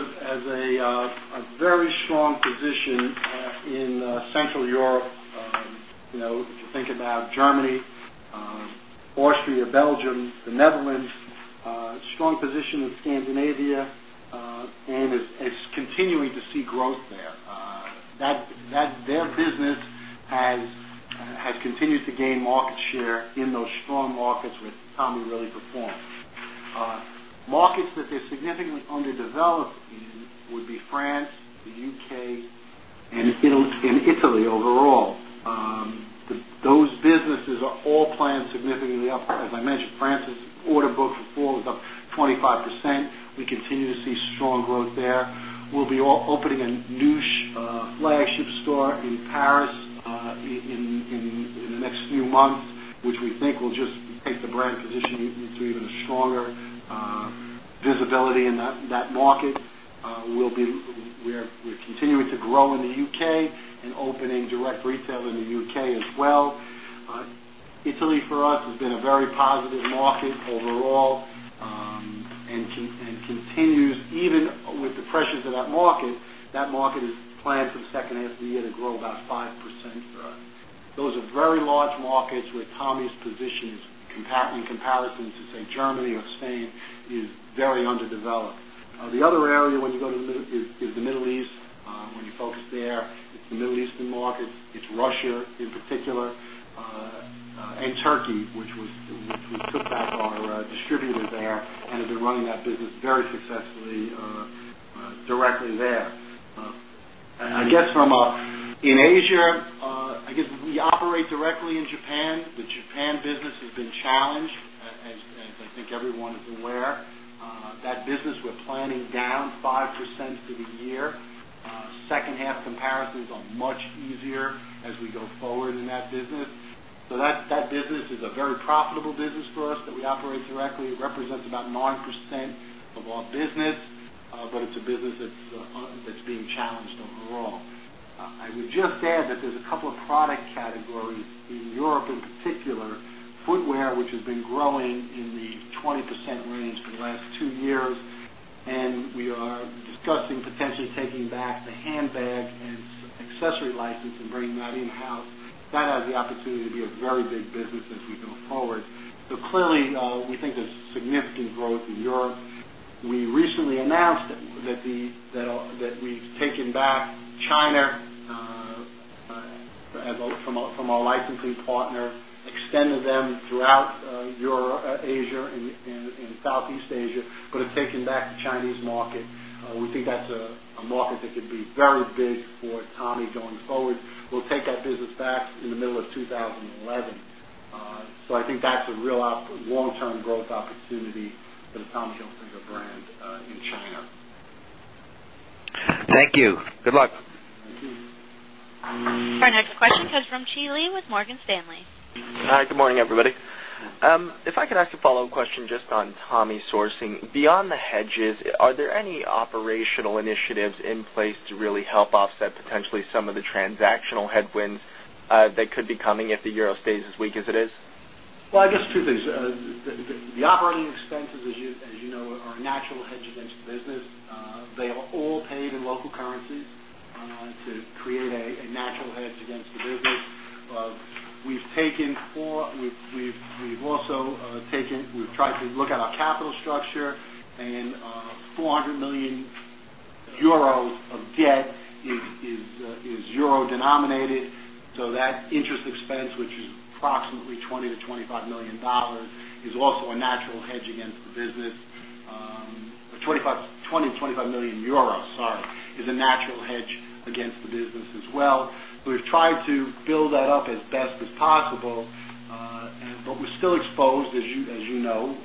a very strong position in Central Europe, if you think about Germany, Austria, Belgium, the Netherlands, strong position in Scandinavia and is continuing to see growth there. Their business has continued to gain market share in those strong markets where Tommy really performed. Markets that they're significantly underdeveloped in would be France, the UK and Italy overall. Those businesses are all planned significantly up. As I mentioned, France's order book for fall was up 25%. We continue to see strong growth there. We'll be opening a new position to even stronger visibility in that market. We'll be we're continuing to grow in the U. K. And opening direct retail in the U. K. As well. Italy for us has been a very positive market overall and continues even with the pressures of that market, that market is planned for the second half of the year to grow about 5%. Those are very large markets with Tommy's positions in comparison to say Germany or Spain is very underdeveloped. The other area when you go to the Middle East. When you focus there, it's the Middle Eastern markets, it's Russia in particular and Turkey, which was which we took back our distributor there and have been running that business very successfully directly there. And I guess from a in Asia, I guess we operate directly in Japan. The Japan business has been challenged, as I think everyone is aware. That business we're planning down 5% for the year. 2nd half comparisons are much easier as we easier as we go forward in that business. So that business is a very profitable business for us that we operate directly. It represents about 9% of our business, but it's a business that's being challenged overall. I would just add that there's a couple of product categories in Europe in particular, footwear, which has been growing in the 20% range for the last 2 years and we are discussing potentially taking back the handbag and accessory license and bring that in house. That has the opportunity to be a very big business as we go forward. So clearly, we think there's significant growth in Europe. We recently announced that we've taken back China from our licensing partner, extended them throughout Europe, Asia and Southeast Asia, but have taken back the Chinese market. We think that's a market that could be very big for Tommy going forward. We'll take that business back in the middle of 2011. So I think that's a real long term growth opportunity for the Tommy Hilfiger brand in China. Thank you. Good luck. Our next question comes from Chi Lee with Morgan Stanley. Hi, good morning everybody. If I could ask a follow-up question just on Tommy sourcing, beyond the hedges, are there any operational initiatives in place to really help offset potentially some of the transactional headwinds that could be coming if the euro stays as weak as it is? Well, I guess, 2 things. The operating expenses, as you know, are natural hedge against the business. They are all paid in local currencies to create a natural hedge against the business. We've taken or we've also taken we've tried to look at our capital structure and €400,000,000 of is euro denominated. So that interest expense, which is approximately $20,000,000 to $25,000,000 is also a natural hedge against the business €20,000,000 to 25,000,000 sorry, is a natural hedge against the business as well. We've tried to build that up as best as possible, but we're still exposed as you know,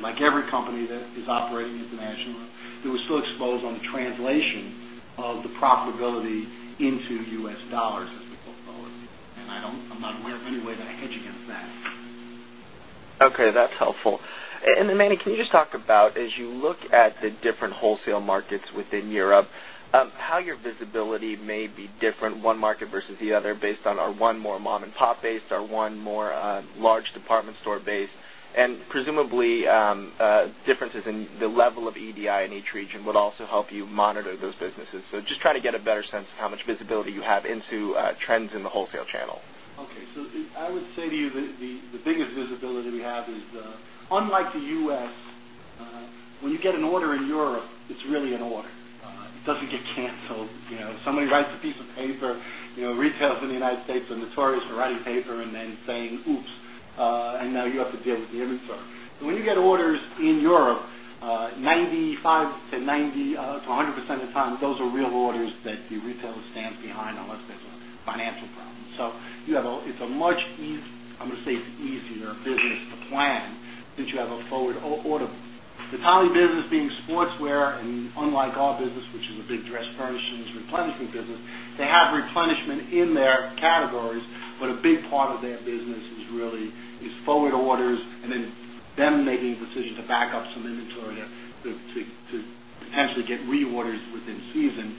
like every company that is operating internationally, profitability into U. S. Dollars as we look forward to it. And I don't I'm not aware of any way that I hedge against that. Okay, that's helpful. And then Manny, can you just talk about as you look at the different wholesale markets within Europe, how your visibility may be different one market versus the other based on our one more mom and pop based, our one more large department store base? And presumably, differences in the level of EDI in each region would also help you monitor those businesses. So just trying to get a better sense of how much visibility you have into trends in the wholesale channel. Okay. So I would say to you the biggest visibility we have is unlike the U. S, when you get an order in Europe, it's really an order. It doesn't get canceled. Somebody writes a piece of paper, retails in the United States are notorious for writing paper and then saying, oops, and now you have to deal with the inventory. So when you get orders in Europe, 90 5% to 90% to 100% of the time, those are real orders that the retailer stands behind unless there's a financial problem. So you have a it's a much ease I'm going to say it's easier business to plan that you have a forward order. The Tally business being sportswear and unlike our business, which is a big dress furnishings replenishment business, they have replenishment in their categories, but a big part of their business is really is forward orders and then them making a decision to back up some inventory to potentially get reorders within season.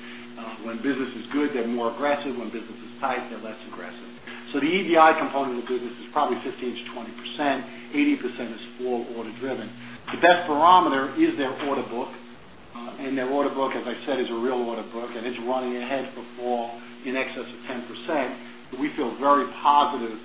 When business is good, they're more aggressive. When business is tight, they're less aggressive. So the EDI component of the business is probably 15% to 20%, 80% is full order driven. The best barometer is their order book and their order book, as I said, is a real order book and it's running ahead for fall in excess of 10%. We feel very positive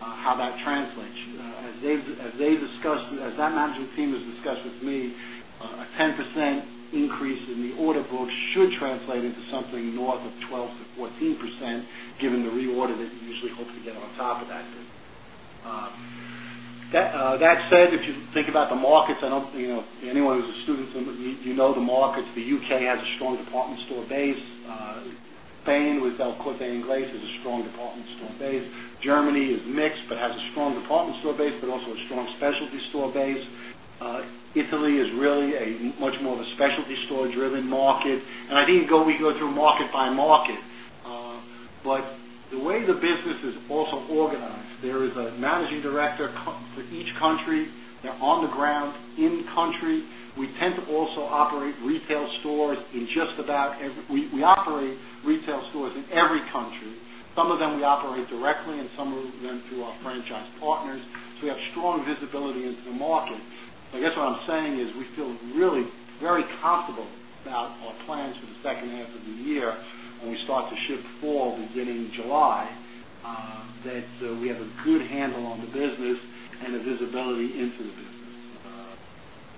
how that translates. As they discussed as that management team has discussed with me, a 10% increase in the order book should translate into something north of 12% to 14%, given the reorder that you usually hope to get on top of that. That said, if you think about the markets, I don't think anyone who's a student, you know the markets. The UK has a strong department store base. Bain with Delclote and Glace is a strong department store base. Germany is mixed, but has a strong department store base, but also a strong specialty store base. Italy is really a much more of a specialty store driven market. And I think we go through market by market. But the way the business is also organized. There is a Managing Director for each country, they're on the ground in country. We tend to also operate retail stores in just about we operate retail stores in every country. Some of them we operate directly and some of them directly and some of them through our franchise partners. So we have strong visibility into the market. I guess what I'm saying is we feel really very comfortable about our plans for the second half of the year when we start to ship fall beginning July, that we have a good handle on the business and the visibility into the business.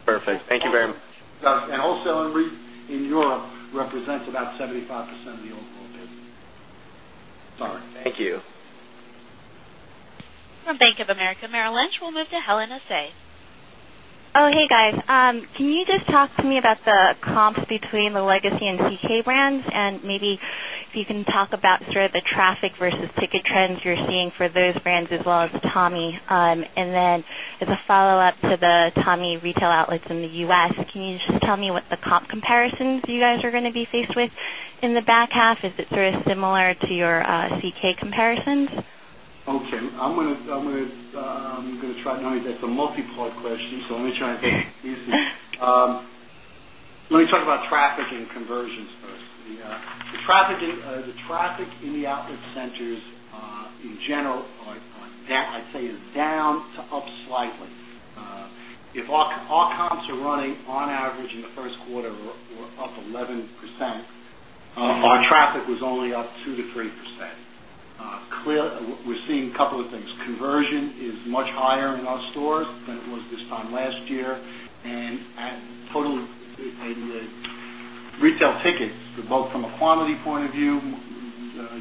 Perfect. Thank you very much. And wholesale in Europe represents about 75% of the overall business. Thank you. From Bank of America Merrill Lynch, we'll move to Helen Asey. Hey, guys. Can you just talk to me about the comps between the legacy and CK brands? And maybe if you can talk about sort of the traffic versus ticket trends you're seeing for those brands as well as Tommy? And then as a follow-up to the Tommy retail outlets in the U. S, can you just tell me what the comp comparisons you guys are going to be faced with in the back half? Is it sort of similar to your CK comparisons? Okay. I'm going to try I mean, that's a multipart question. So let me try and take it easy. Let me talk about traffic and conversions first. The traffic in the outlet centers in general, that I'd say is down to up slightly. If our comps are running on average in the Q1 were up 11%, our Our traffic was only up 2% to 3%. We're seeing a couple of things. Conversion is much higher in our stores than it was this time last year and at total retail tickets, both from a quantity point of view,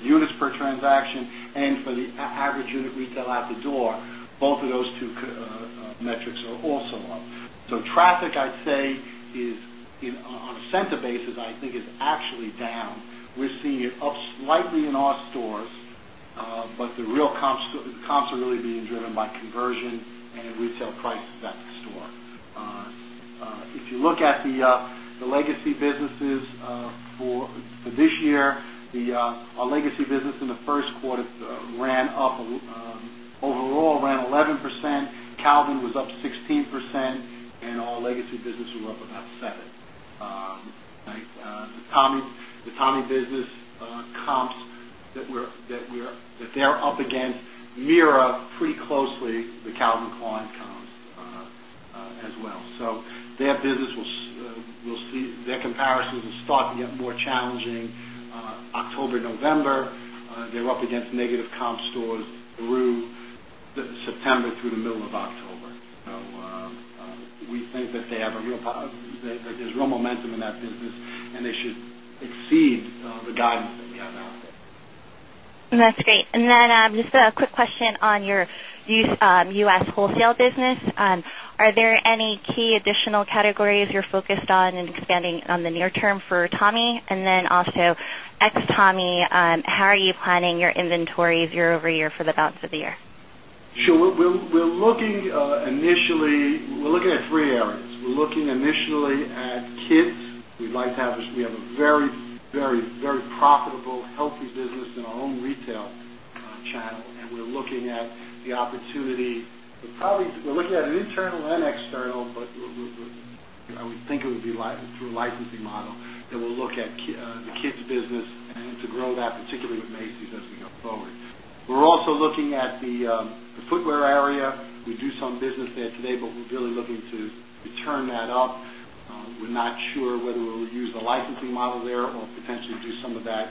units per transaction and for the average unit retail out the door, both of those two metrics are also up. So traffic, I'd say, is on center basis I think is actually down. We're seeing it up slightly in our stores, but the real comps are really being driven by conversion and retail prices at the store. If you look at the legacy businesses for this year, our legacy business in the Q1 ran up overall ran 11%, Calvin was up 16% and all legacy business were up about 7%. The Tommy business comps that we are that they're up against mirror pretty closely the Calvin Klein comps as well. So their business will see their comparisons will start to get more challenging October, November. They're up against negative comp stores through September through middle of October. So we think that they have a real there's real momentum in that business and they should exceed the guidance that we have now. That's great. And then just a quick question on your U. S. Wholesale business. Are there any key additional categories you're focused on in expanding on the near term for Tommy? And then also ex Tommy, how are you planning your inventories year over year for the balance of the year? Sure. We're looking initially we're looking at 3 areas. We're looking initially at kids. We'd like to have we have a very, very, very profitable healthy business in our own retail channel. And we're looking at the opportunity we're probably we're looking at an internal and external, but I would think it would be through a licensing model that we'll look at the kids business and to grow that particularly with Macy's as we go forward. We're also looking at the footwear area. We do some business there today, but we're really looking to return that up. We're not sure whether we'll use the licensing model there or potentially do some of that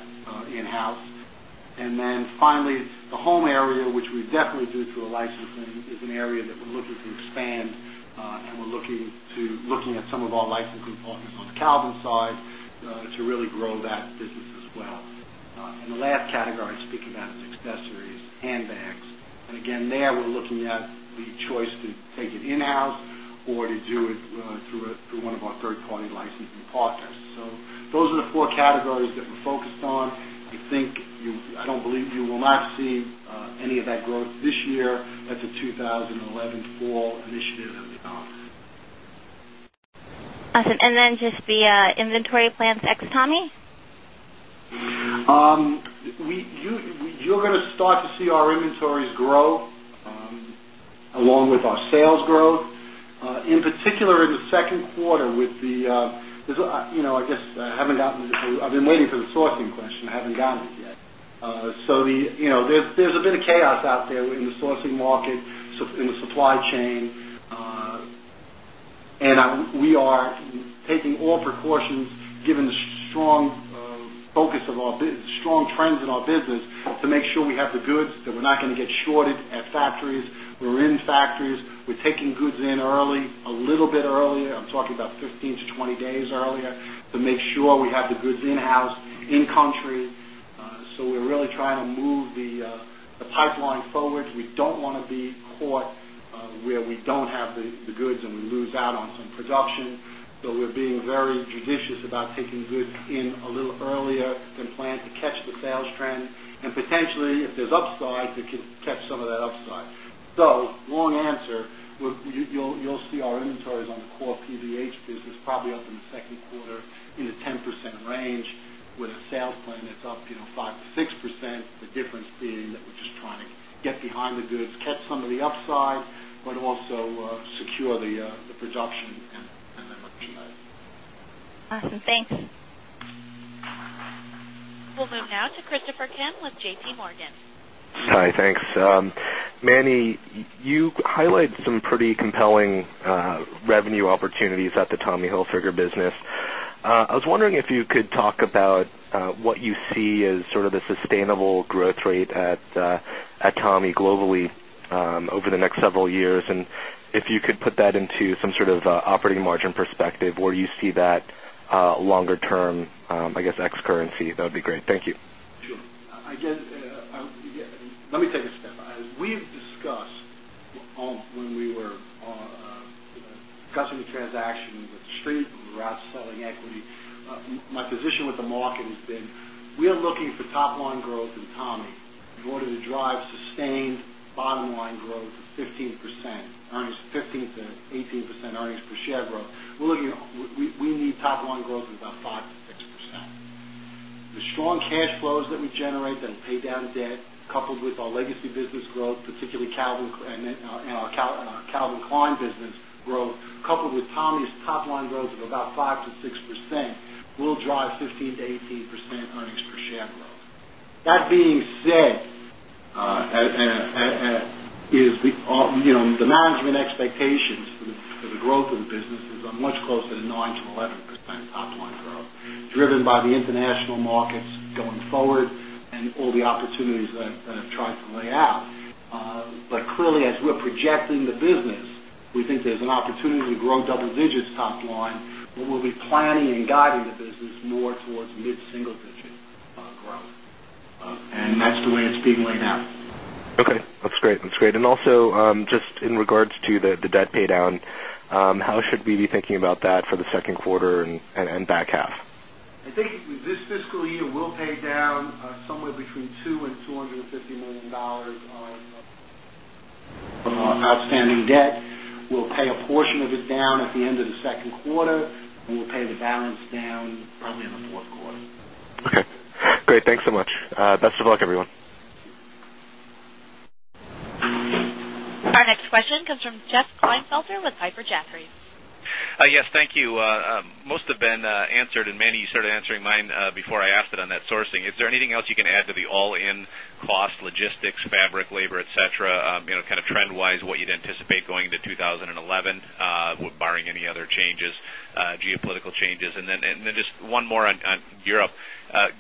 in house. And then finally, the home area, which we definitely do through a licensing is an area that we're looking to expand and we're looking at some of our licensing partners on the Calvin side to really grow that business as well. And the last category, speaking about accessories, handbags. And again, there we're looking at the choice to take it in house or to do it through 1 of our 3rd party licensing partners. So those are the 4 categories that we're focused on. I think you I don't believe you will not see any of that growth this year. That's a 2011 fall initiative. Awesome. And then just the inventory plans ex Tommy? You're going to start to see our inventories grow along with our sales growth. In particular, in the Q2 with the I guess, I haven't gotten I've been waiting for the sourcing question, I haven't gotten it yet. So there's a bit of chaos out there in the sourcing market, in the supply chain. And we are taking all precautions given the strong focus of our business, strong trends in our business to make sure we have the goods that we're not going to get shorted at factories. We're in factories. We're taking goods in early, a little bit earlier. I'm talking about 15 to 20 days earlier to make sure we have the goods in house, in country. So we're really trying to move the pipeline forward. We don't want to be caught where we don't have the goods and we lose out on some production. So we're being very judicious about taking goods in a little earlier than planned to catch the sales trend. And potentially, if there's upside, we could catch some of that upside. So long answer, you'll see our inventories on the core PVH business probably up in the 2nd quarter in the 10% range with a sales plan that's up 5% to 6%, the difference being that we're just trying to get behind the goods, catch some of the upside, but also secure the production and the merchandise. Awesome. Thanks. We'll move now to Christopher Kim with JPMorgan. Hi, thanks. Manny, you highlighted some pretty compelling revenue opportunities at the Tommy Hilfiger business. I was wondering if you could talk about what you see as sort of a sustainable growth rate at Tommy globally over the next several years? And if you could put that into some sort of operating margin perspective, where do you see that longer term, I guess, ex currency, that would be great. Thank you. Again, let me take a step. As we've discussed on when we were discussing the transaction with Street, we're outselling equity, my position with the market has been, we are looking for top line growth in Tommy in order to drive sustained bottom line growth of 15% earnings 15% to 18% earnings per share growth. We're looking we need top line growth of about 5% to 6%. The strong cash flows that we generate that will pay down debt coupled with our legacy business growth, particularly Calvin Klein business growth, coupled with Tommy's top line growth of about 5% to 6% will drive 15% to 18% earnings per share growth. That being said, the management expectations for the growth of the business is much closer to 9% to 11% top line growth driven by the international markets going forward and all the opportunities that I've tried to lay out. But clearly, as we're projecting the business, we think there's an opportunity to grow double digits top line, but we'll be planning and guiding the business more toward mid single digit growth. And that's the way it's been laid out. Okay. That's great. That's great. And also, just in regards to the debt pay down, how should we be thinking about that for the Q2 and back half? I think this fiscal year we'll pay down somewhere between $2,000,000 $250,000,000 of outstanding debt. We'll pay a portion of it down at the end of the second quarter and we'll pay the balance down probably in the Q4. Okay, great. Thanks so much. Best of luck everyone. Our next question comes from Jeff Klinefelter with Piper Jaffray. Yes. Thank you. Most have been answered and Manny you started answering mine before I asked it on that sourcing. Is there anything else you can add to the all in cost logistics, fabric, labor, etcetera, kind of trend wise what you'd anticipate going into 2011 barring any other geopolitical changes? And then just one more on Europe.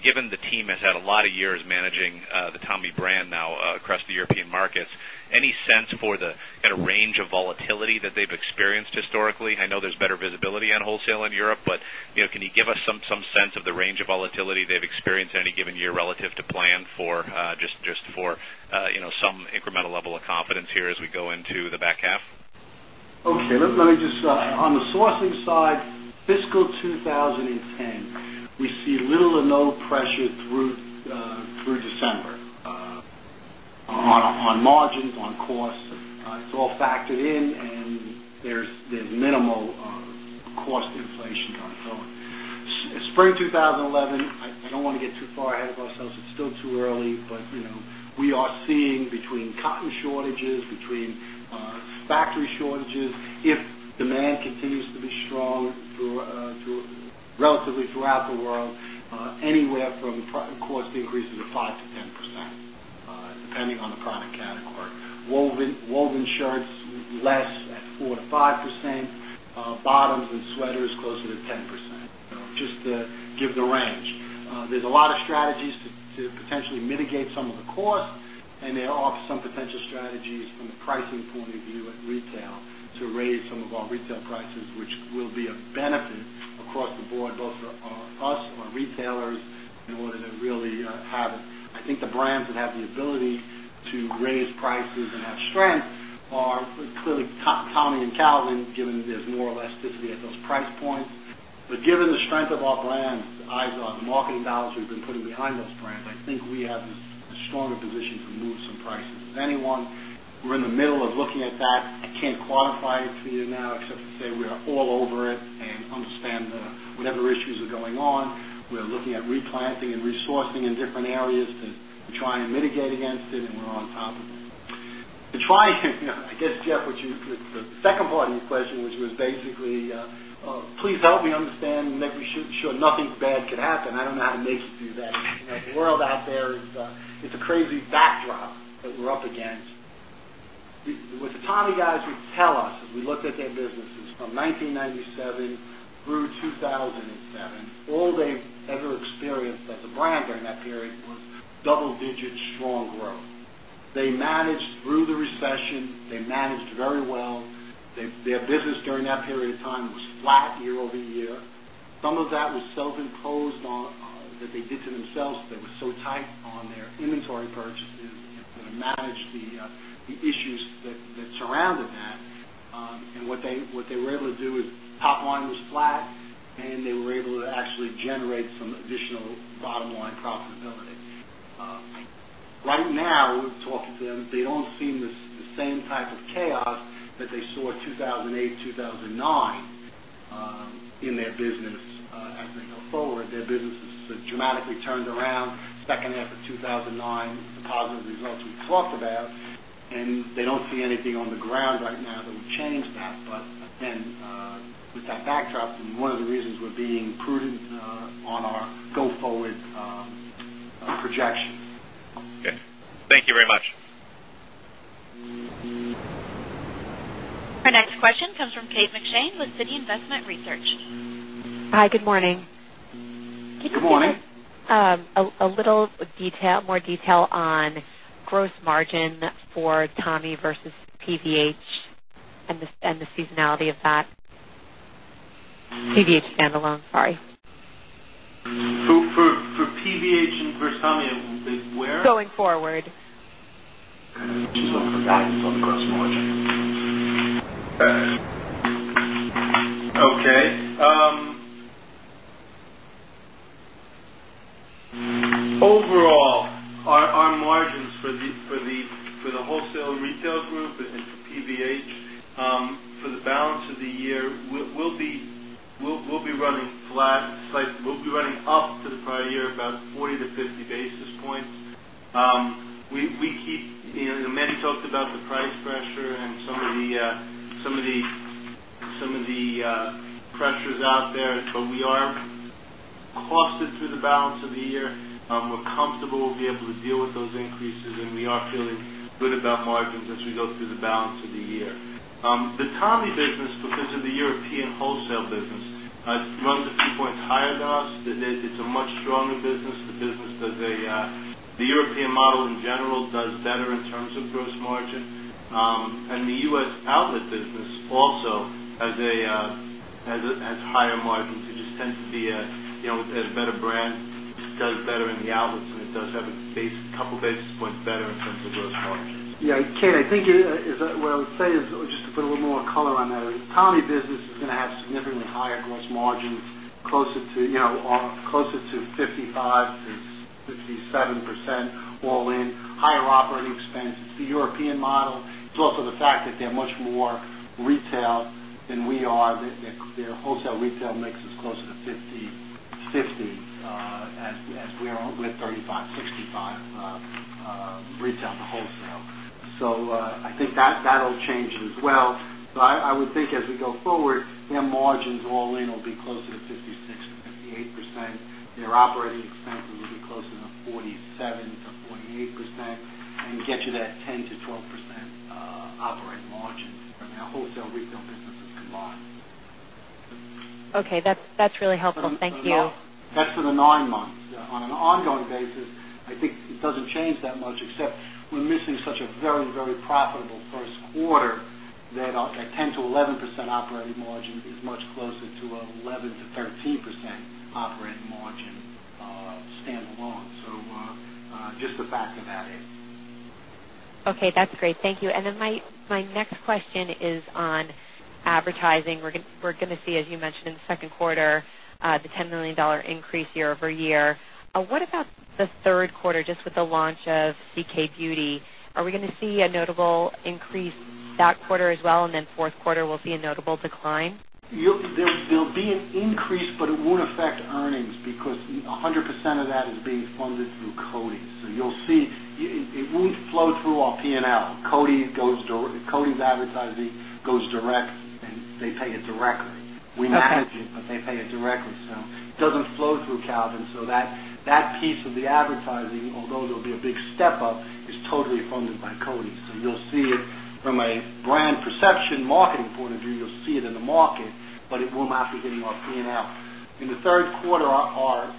Given the team has had a lot of years managing the Tommy brand now across the European markets, any sense for the range of volatility that they've experienced historically? I know there's better visibility on wholesale in Europe, but can you give us some sense of the range of volatility they've experienced any given year relative to plan for just for some incremental level of confidence here as we go into the back half? Okay. Let me just on the sourcing side, fiscal 2010, we see little or no pressure through December on margins, on costs. It's all factored in and there's minimal cost inflation going forward. Spring 2011, I don't want to get too far ahead of ourselves. It's still too early, but we are seeing between cotton shortages, between factory shortages, if demand continues to be strong relatively throughout the world, anywhere from cost increases of 5% to 10%, depending on the product category. Woven shirts less at 4% to 5%, bottoms and sweaters closer to 10%, just to give the range. There's a lot of strategies to potentially mitigate some of the costs and there are some potential strategies from the pricing point of view at retail to raise some of our retail prices, which will be a benefit across the board both for us and our retailers and what it really have. I think the brands that have the ability to raise prices and have strength are clearly Tommy and Calvin given there's more elasticity at those price points. But given the strength of our brand, eyes on the marketing dollars we've been putting behind those brands, I think we have a stronger position to move some prices. Anyone, we're in the middle of looking at that. I can't quantify it for you now except to say we are all over it and understand whatever issues are going on. We're looking at replanting and resourcing in different areas to try and mitigate against it and we're on top of it. I guess, Jeff, what you the second part of your question, which was basically, please help me understand and make sure nothing bad could happen. I don't know how to make you do that. The world out there it's a crazy backdrop that we're up against. With Tommy guys would tell us, as we looked at their businesses from 1997 through 2,007, all they've ever experienced as a brand during that period was double digit strong growth. They managed through the recession. They managed very well. Their business during that period of time was flat year over year. Some of that was self imposed on that they did to themselves that were so tight on their inventory purchases and manage the issues that surrounded that. And what they were able to do is top line was flat and they were able to actually generate some additional bottom line profitability. Right now, we're talking to them, they don't seem the same type of chaos that they saw in 2,008, 2,009 in their business as they go forward. Their business has dramatically turned around second half of 2,009, the positive results we talked about. And they don't see anything on the ground right now that would change that. But then with that backdrop and one of the reasons we're being prudent on our go forward projection. Okay. Thank you very much. Our next question comes from Kate McShane with Citi Investment Research. Hi, good morning. Good morning. Good morning. A little detail more detail on gross margin for Tommy versus PVH and the seasonality of that PVH standalone, sorry? For PVH and for gross margin. Okay. Overall, our margins for the wholesale and retail group and the PVH for the balance of the year will be running flat, slightly we'll running up to the prior year about 40 to 50 basis points. We keep as many talked about the price pressure and some of the pressures out there, but we are costed through the balance of the year. We're comfortable we'll be able to deal with those increases and we are feeling good about margins as we go through the balance of the year. The Tommy business because of the European wholesale business runs a few points higher than us. It's a much stronger business. The business does a the European model in general does better in terms of gross margin. And the U. S. Outlet business also has margins, it just tends to be a better brand, it does better in the outlets and it does have a base couple of basis points better in terms of gross margins. Yes, Kate, I think what I would say is just to put a little more color on that, the economy business is going to have significantly higher gross margins closer to 55% to 57% all in higher operating expenses, the European model. It's also the fact that they're much more retail than we are. Their wholesale retail mix is closer to 50% as we are with 35% to 65% retail to wholesale. So I think that will change as well. But I would think as we go forward, their margins all in will be closer to 56% to 58%. Their operating expenses will be closer to 47% to 48% and get you that 10% to 12% operating margin from our wholesale retail businesses combined. Okay. That's really helpful. Thank you. That's for the 9 months. On an ongoing basis, I think it doesn't change that much except we're missing such a very, very profitable first quarter that 10% to 11% operating margin is much closer to 11% to 13% operating margin standalone. So just the fact of that is. Okay. That's great. Thank you. And then my next question is on advertising. We're going to see as you mentioned in the Q2 the $10,000,000 increase year over year. What about the Q3 just with the launch of CK Beauty? Are we going to see a notable increase that quarter as well and then 4th quarter will see a notable decline? There will be an increase, but it won't affect earnings because 100% of that is being funded through Coty's. So you'll see it won't flow through our P and L. Cody's advertising goes direct and they pay it directly. We not hedge it, but they pay it directly. So it doesn't flow through Calvin. So that piece of the advertising, although there'll be a big step up is totally funded by CODI. So you'll see it from a brand perception, marketing point of view, you'll see it in the market, but it will not be hitting our P and L. In the Q3, our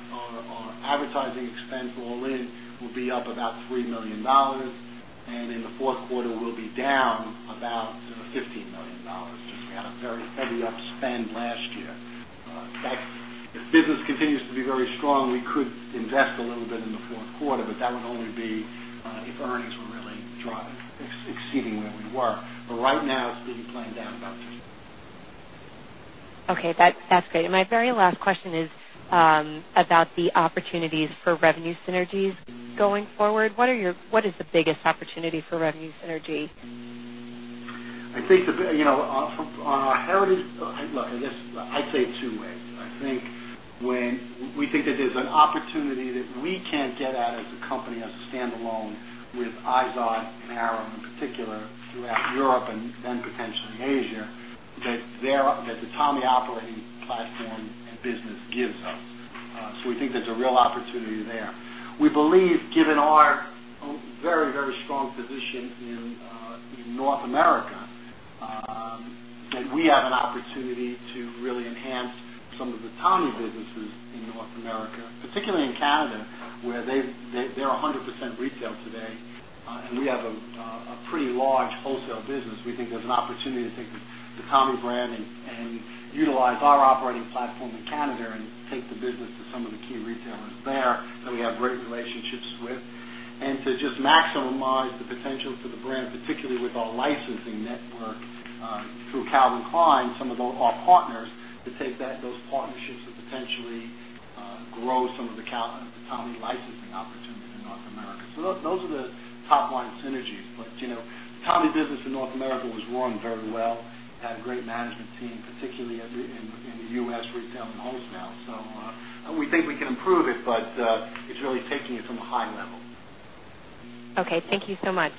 advertising expense all in will be about $3,000,000 and in the Q4 will be down about $15,000,000 just had a very heavy up spend last year. If business continues to be very strong, we could invest a little bit in the Q4, but that would only be if earnings were really driving, exceeding where we were. But right now, it's really playing down about 2%. Okay. That's great. And my very last question is about the opportunities for revenue synergies going forward. What are your what is the biggest opportunity for revenue synergy? I think on our heritage look, I guess, I'd say 2 ways. I think when we think that there's an opportunity that we can't get out as a company as a standalone with IZOD and ARO in particular throughout Europe and then potentially Asia that the Tommy operating platform and business gives us. So we think there's a real opportunity there. We believe given our very, very strong position in North America that we have an opportunity to really enhance some of the Tommy businesses in North America, particularly in Canada, where they're 100% retail today. And we have a pretty large wholesale business. We think there's an opportunity to take the Tommy brand and utilize our operating platform in Canada and take the business to some of the key retailers there that we have great relationships with. And to just maximize the potential for the brand, particularly with our licensing network through Calvin Klein, some of our partners to take that those partnerships to potentially grow some of the Tommy licensing opportunities in North America. So those are the top line synergies. But Tommy Business in North America was running very well, had great management team, particularly in the U. S. Retail and wholesale. So we think we can improve it, but it's really taking it from a high level. Okay. Thank you so much.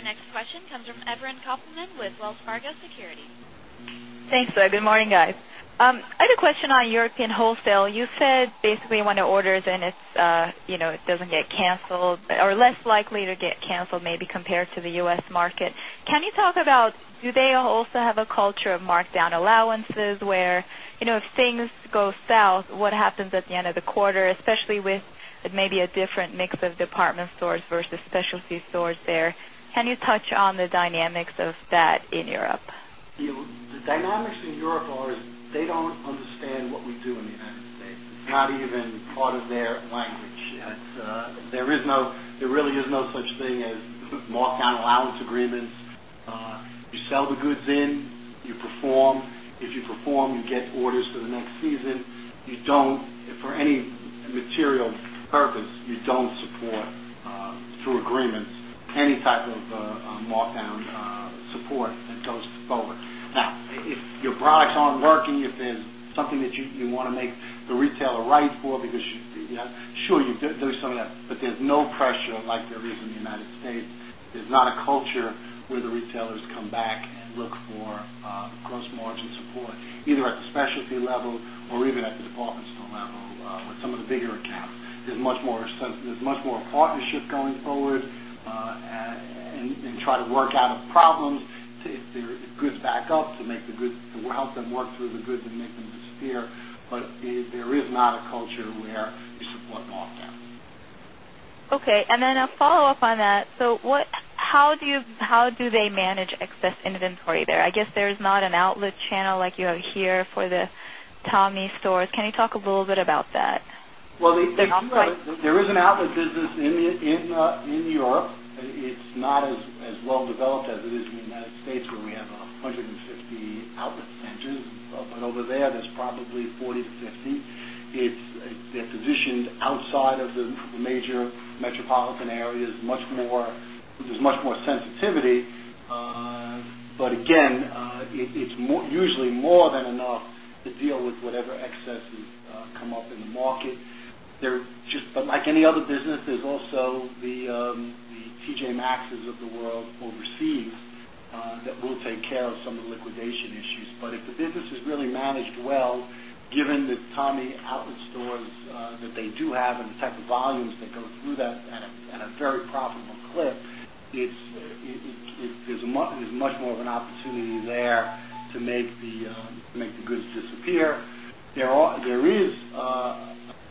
Our next question comes from Evelyn Kaufman with Wells Fargo Securities. Thanks, Zohi. Good morning, guys. I had a question on European wholesale. You said basically when the orders and it doesn't get canceled or less likely to get canceled maybe compared to the U. S. Market. Can you talk about do they also have a culture of markdown allowances where if things go south, what happens at the end of the quarter, especially with maybe a different mix of department stores versus specialty stores there? Can you touch on the dynamics of that in Europe? The dynamics in Europe are they understand what we do in the United States. It's not even part of their language. There is no there really is no such thing as markdown allowance agreements. You sell the goods in, you perform, if you perform, you get orders for the next season, you don't for any material purpose, you don't support through agreements, any type of markdown support that goes forward. Now, if your products aren't working, if there's something that you want to make the retailer right for because you're sure you're doing some of that, but there's no pressure like there is in United States. There's not a culture where the retailers come back and look for gross margin support either at the specialty level or even at the department store level with some of the bigger accounts. There's much more sense there's much more partnership going forward and try to work out of problems to get their goods back up to make the goods to help them work through the goods and make them disappear. But there is not a culture where you support lockdown. Okay. And then a follow-up on that. So what how do you how do they manage excess inventory there? I guess there is not an outlet channel like you have here for the Tommy's stores. Can you talk a little bit about that? Well, there is an outlet business in Europe. It's not as well developed as it is in the United States where we have 150 outlet centers. But over there, there's probably 40 to 50. It's they're positioned outside of the major metropolitan areas much more there's much more sensitivity. But again, it's usually more than enough to deal with whatever excesses come up in the market. They're just but like any other business, there's also the T. J. Maxx's of the world overseas that will take care of some of the liquidation issues. But if the business is really managed well, given the Tommy outlet stores that they do have and the type of volumes that go through that at a very profitable clip, there's much more of an opportunity there to make the goods disappear. There is a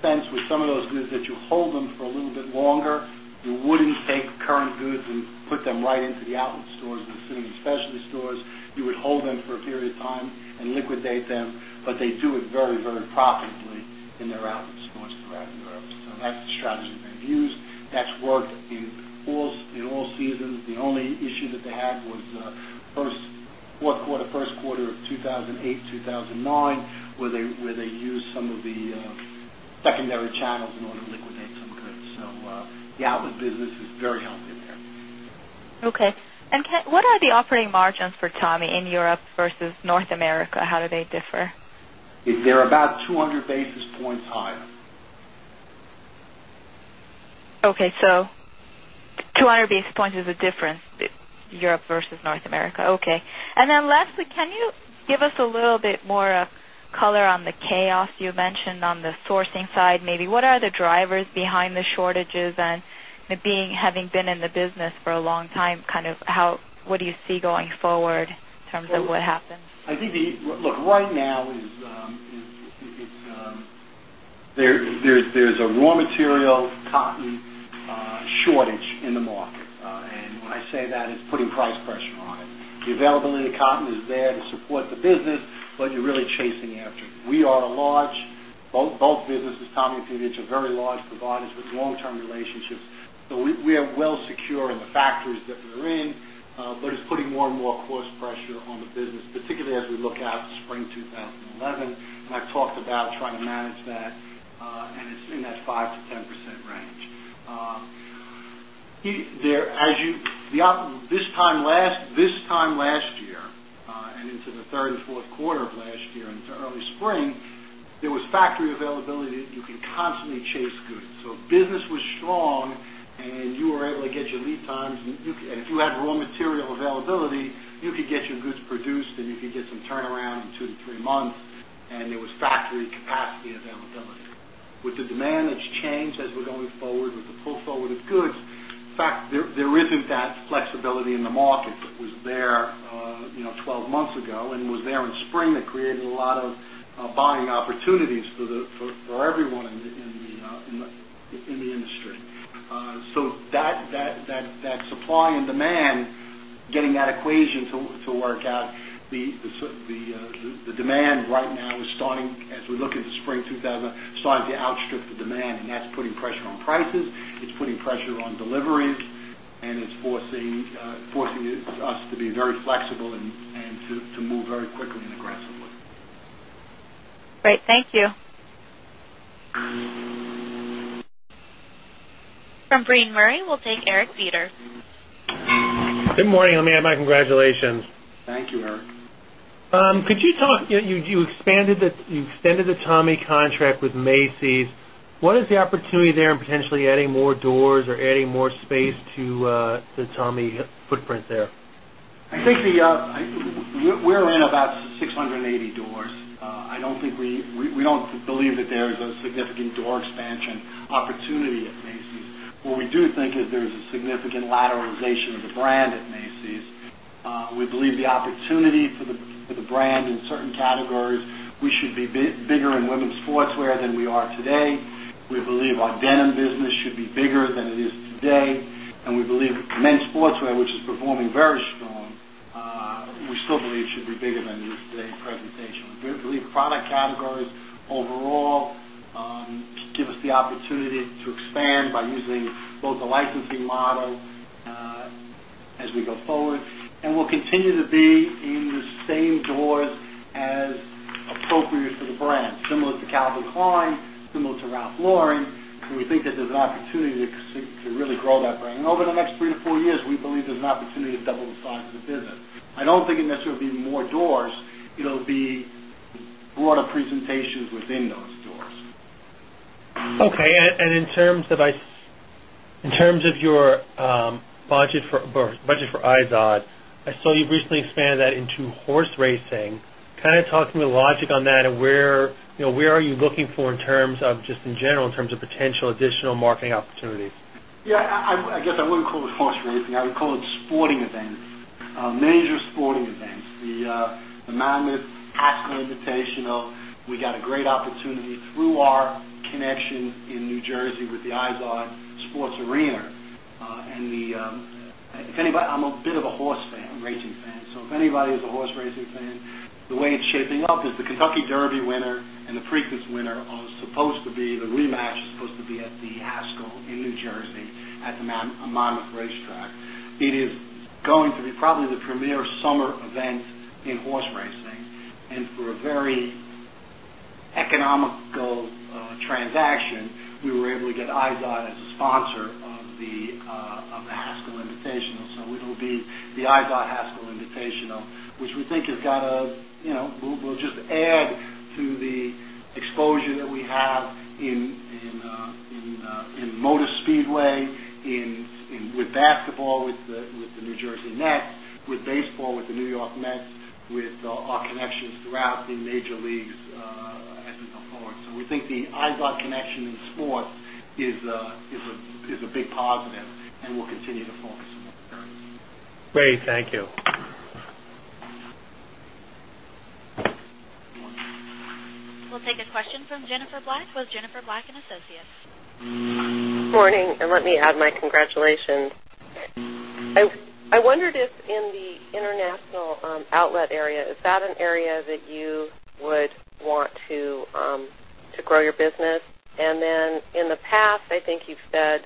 sense with some of those goods that you hold them for a little bit longer. You wouldn't take current goods and put them right into the outlet stores, the specialty stores. You would hold them for a period of time and liquidate them, but they do it very, very profitably in their outlet stores throughout Europe. So that's the strategy they've used. That's worked in all seasons. The only issue that they had was Q4 of 2,008, 2,009 where they used some of the secondary channels in order to liquidate some goods. So the outlet business is very healthy there. Okay. And what are the operating margins for Tommy in Europe versus North America? How do they differ? They're about 200 basis points higher. Okay. So 200 basis points is the difference Europe versus North America. Okay. And then lastly, can you give us a little bit more color on the chaos you mentioned on the sourcing side? Maybe what are the drivers behind the shortages? And being having been in the business for a long time, kind of how what do you see going forward in terms of what happens? I think the look, right now, it's there's a raw material cotton shortage in the market. And when I say that it's putting price pressure on it. The availability of cotton is there to support the business, but you're really chasing after it. We are a large both businesses, Tom and Mitch, are very large providers with long term relationships. So we are well secured in the factories that we're in, but it's putting more and more cost pressure on the business, particularly as we look out spring 2011. And I've talked about trying to manage that and it's in that 5% to 10% range. There as you this time last year and into the 3rd Q4 of last year and into early spring, there was factory availability that you can constantly chase good. There was factory availability that you can constantly chase goods. So business was strong and you were able to get your lead times and if you had raw material availability, you could get your goods produced and you could get some turnaround in 2 to 3 months and it was factory capacity availability. With the demand that's changed as we're going forward with the pull forward of goods, in fact, there isn't that flexibility in the market that was there 12 months ago and was there in spring that created a lot of buying opportunities for everyone in buying opportunities for everyone in the industry. So that supply and demand getting that equation to work out, the demand right now is starting as we look into spring 2000, starting to outstrip the demand and that's putting pressure on prices, it's putting pressure on deliveries and it's forcing us to be very flexible and to move very quickly and aggressively. Great. Thank you. From Breen Murray, we'll take Eric Beder. Good morning, let me add my congratulations. Thank you, Eric. Could you talk you extended the Tommy contract with Macy's. What is the opportunity there in potentially adding more doors or adding more space to the Tommy footprint there? I think the we're in about 6 80 doors. I don't think we we don't believe that there is a significant door expansion opportunity at Macy's. What we do think is there is lateralization of the brand at Macy's. We believe the opportunity for the brand in certain categories, we should be bigger in women's sportswear than we are today. We believe our denim business should be bigger than it is today. And we believe men's sportswear, which is performing very strong, we still believe should be bigger than this today's presentation. We believe product categories overall give us the opportunity to expand by using both the licensing model as we go forward and we'll continue to be in the same doors as appropriate for the brand similar to Calvin Klein, similar to Ralph Lauren. So we think that there's an opportunity to really grow that brand. Over the next 3 to 4 years, we believe there's an opportunity to double the size of the business. I don't think it necessarily will be more doors. It will be broader presentations within those doors. Okay. And in terms of your budget for iZOD, I saw you recently expanded that into horse racing. Kind of talk to me a logic on that and where are you looking for in terms of just in general in terms of potential additional marketing opportunities? Yes, I guess I wouldn't call it force racing, I would call it sporting events, major sporting events, the madness, Aspen Invitational, we got a great opportunity through our connection in New Jersey with the Eyes Wide Sports Arena. And the if anybody I'm a bit of a horse fan, racing fan. So if anybody is a horse racing fan, the way it's shaping up is the Kentucky Derby winner and the Preakness winner are supposed to be the rematch is supposed to be at the Haskell in New Jersey at Monmouth Racetrack. It is going to be probably the premier summer event in horse racing. And for a very economical transaction, we were able to get IDOT as a sponsor of the Haskell Invitational. So it will be the IZOT Haskell Invitational, which we think has got a we'll just add to the exposure that we have in Motor Speedway, in with basketball, with the New Jersey Nets, with baseball, with the New York Mets, with our connections throughout the major leagues as we go forward. So we think the eyesight connection in sports is a big positive and we'll continue to focus on that. Great. Thank you. We'll take a question from Jennifer Black with Jennifer Black and Associates. Good morning. And let me add my congratulations. I wondered if in the international outlet area, is that an area that you would want to grow your business? And then in the past, I think you've said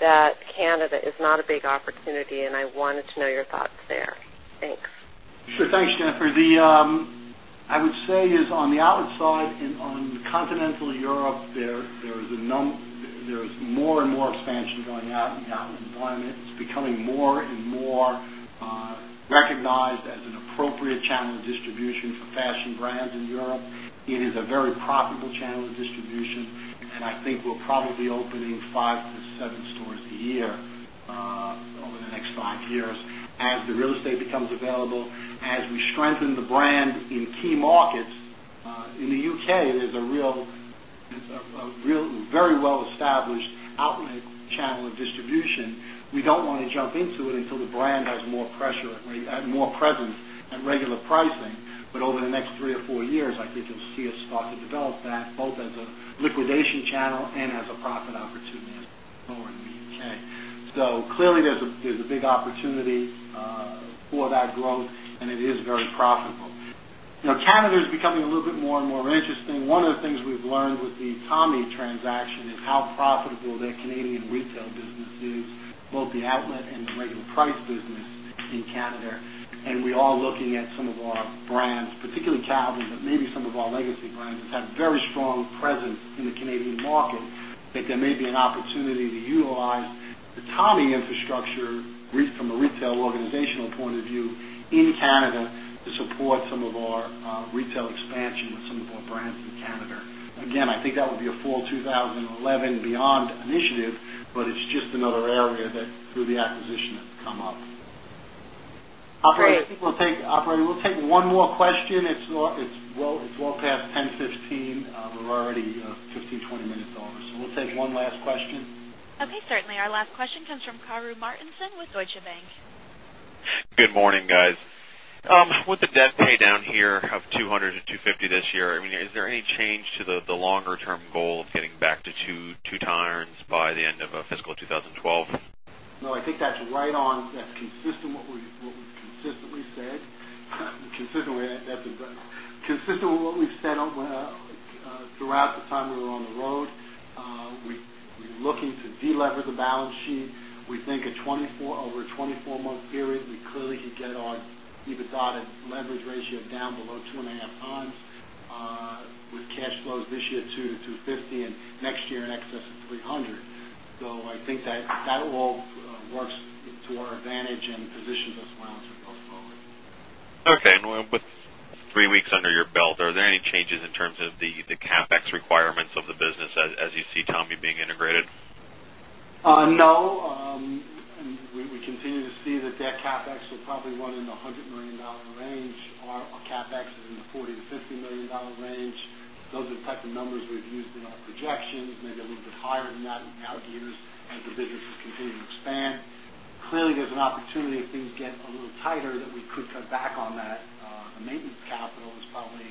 that Canada is not a big opportunity and I wanted to know your thoughts there. Thanks. Sure. Thanks, Jennifer. The I would say is on the outside on Continental Europe, there is more and more expansion going out in the outlet environment. It's becoming more and more recognized as an appropriate channel distribution for fashion brands in Europe. It is a very profitable channel of distribution and I think we'll probably be opening 5 to 7 stores a year over the next 5 years as the real estate becomes available, as we strengthen the brand in key markets. In the U. K, there's a real very well established outlet channel of distribution. We don't want to jump into it until the brand has more pressure more presence at regular pricing. But over the next 3 or 4 years, I think you'll see us start to develop that both as a liquidation channel and as a profit opportunity as lower in the BUK. So clearly, there's a big opportunity for that growth and it is very profitable. Canada is becoming a little bit more and more interesting. One of the things we've learned with the Tommy transaction is how profitable their Canadian retail business is, both the outlet and the regular price business in Canada. And we are looking at some of our brands, particularly Calvin's, but maybe some of our legacy brands have very strong presence in the Canadian market that there may be an opportunity to utilize the Tommy infrastructure from a retail organizational point of view in Canada to support some of our retail expansion with some of our brands in Canada to support some of our retail expansion with some of our brands in Canada. Again, I think that would be a fall 2011 beyond initiative, but it's just another area that through the acquisition that come up. Operator, we'll take one more question. It's well past 10, 15. We're already 15, 20 minutes over. So we'll take one last question. Okay, certainly. Our last question comes from Karru Martinson with Deutsche Bank. With the debt pay down here of $200,000,000 to $250,000,000 this year, I mean is there any change to the longer term goal of getting back to 2 times by the end of fiscal 2012? No, I think that's right on, that's consistent with what we've consistently said. Consistent with what we've said throughout the time we were on the road. We're looking to delever the balance sheet. We think over a 24 month period, we clearly could get our EBITDA to leverage ratio down below 2.5 times with cash flows this year to 2.50 and next year in excess of 3 100. So I think that all works to our advantage and positions us well as we go forward. Okay. And with 3 weeks under your belt, are there any changes in terms of the CapEx requirements of the business as you see Tommy being integrated? No. We continue to see that that CapEx will probably run-in the $100,000,000 range. Our CapEx is in the $40,000,000 to $50,000,000 range. Those are the type of numbers we've used in our projections, maybe a little bit higher than that in our years as the business is continuing to business is continuing to expand. Clearly, there's an opportunity if things get a little tighter that we could cut back on that. The maintenance capital is probably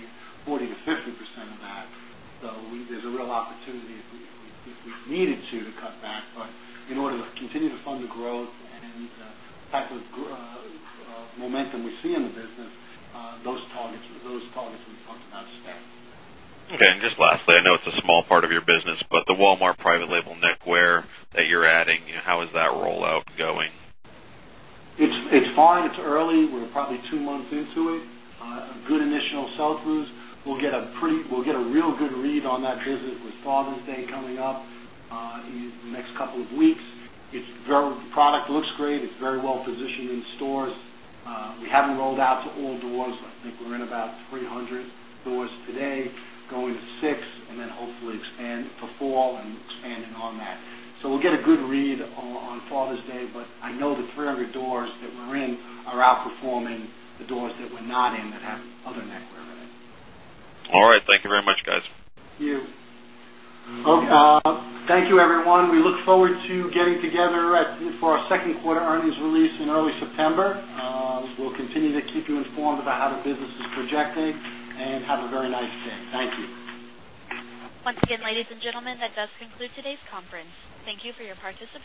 40% to 50% of that. So there's a real opportunity if we needed to cut back. But in order to continue to fund the growth and the type of momentum we see in the business, those targets we talked about stay. Okay. And just lastly, I know it's a small part of your business, but the Walmart private label neckwear that you're adding, how is that rollout going? It's fine. It's early. We're probably 2 months into it. Good initial sell throughs. We'll get a real good read on that business with Father's Day coming up in the next couple of weeks. It's very the product looks great. It's very well positioned in stores. We haven't rolled out to all doors. I think we're in about 300 doors today going to 6 and then hopefully expand to 4 and expanding on that. So we'll get a good read on Father's Day, but I know the 300 doors that we're in are outperforming the doors that we're not in that have other neckwear in it. All right. Thank you very much guys. Thank you. Thank you everyone. We look forward to getting together for our 2nd quarter earnings release in early September. We'll continue to keep you informed about how the business is projecting and have a very nice day. Thank you. Once again, ladies and gentlemen, that does conclude today's conference. Thank you for your participation.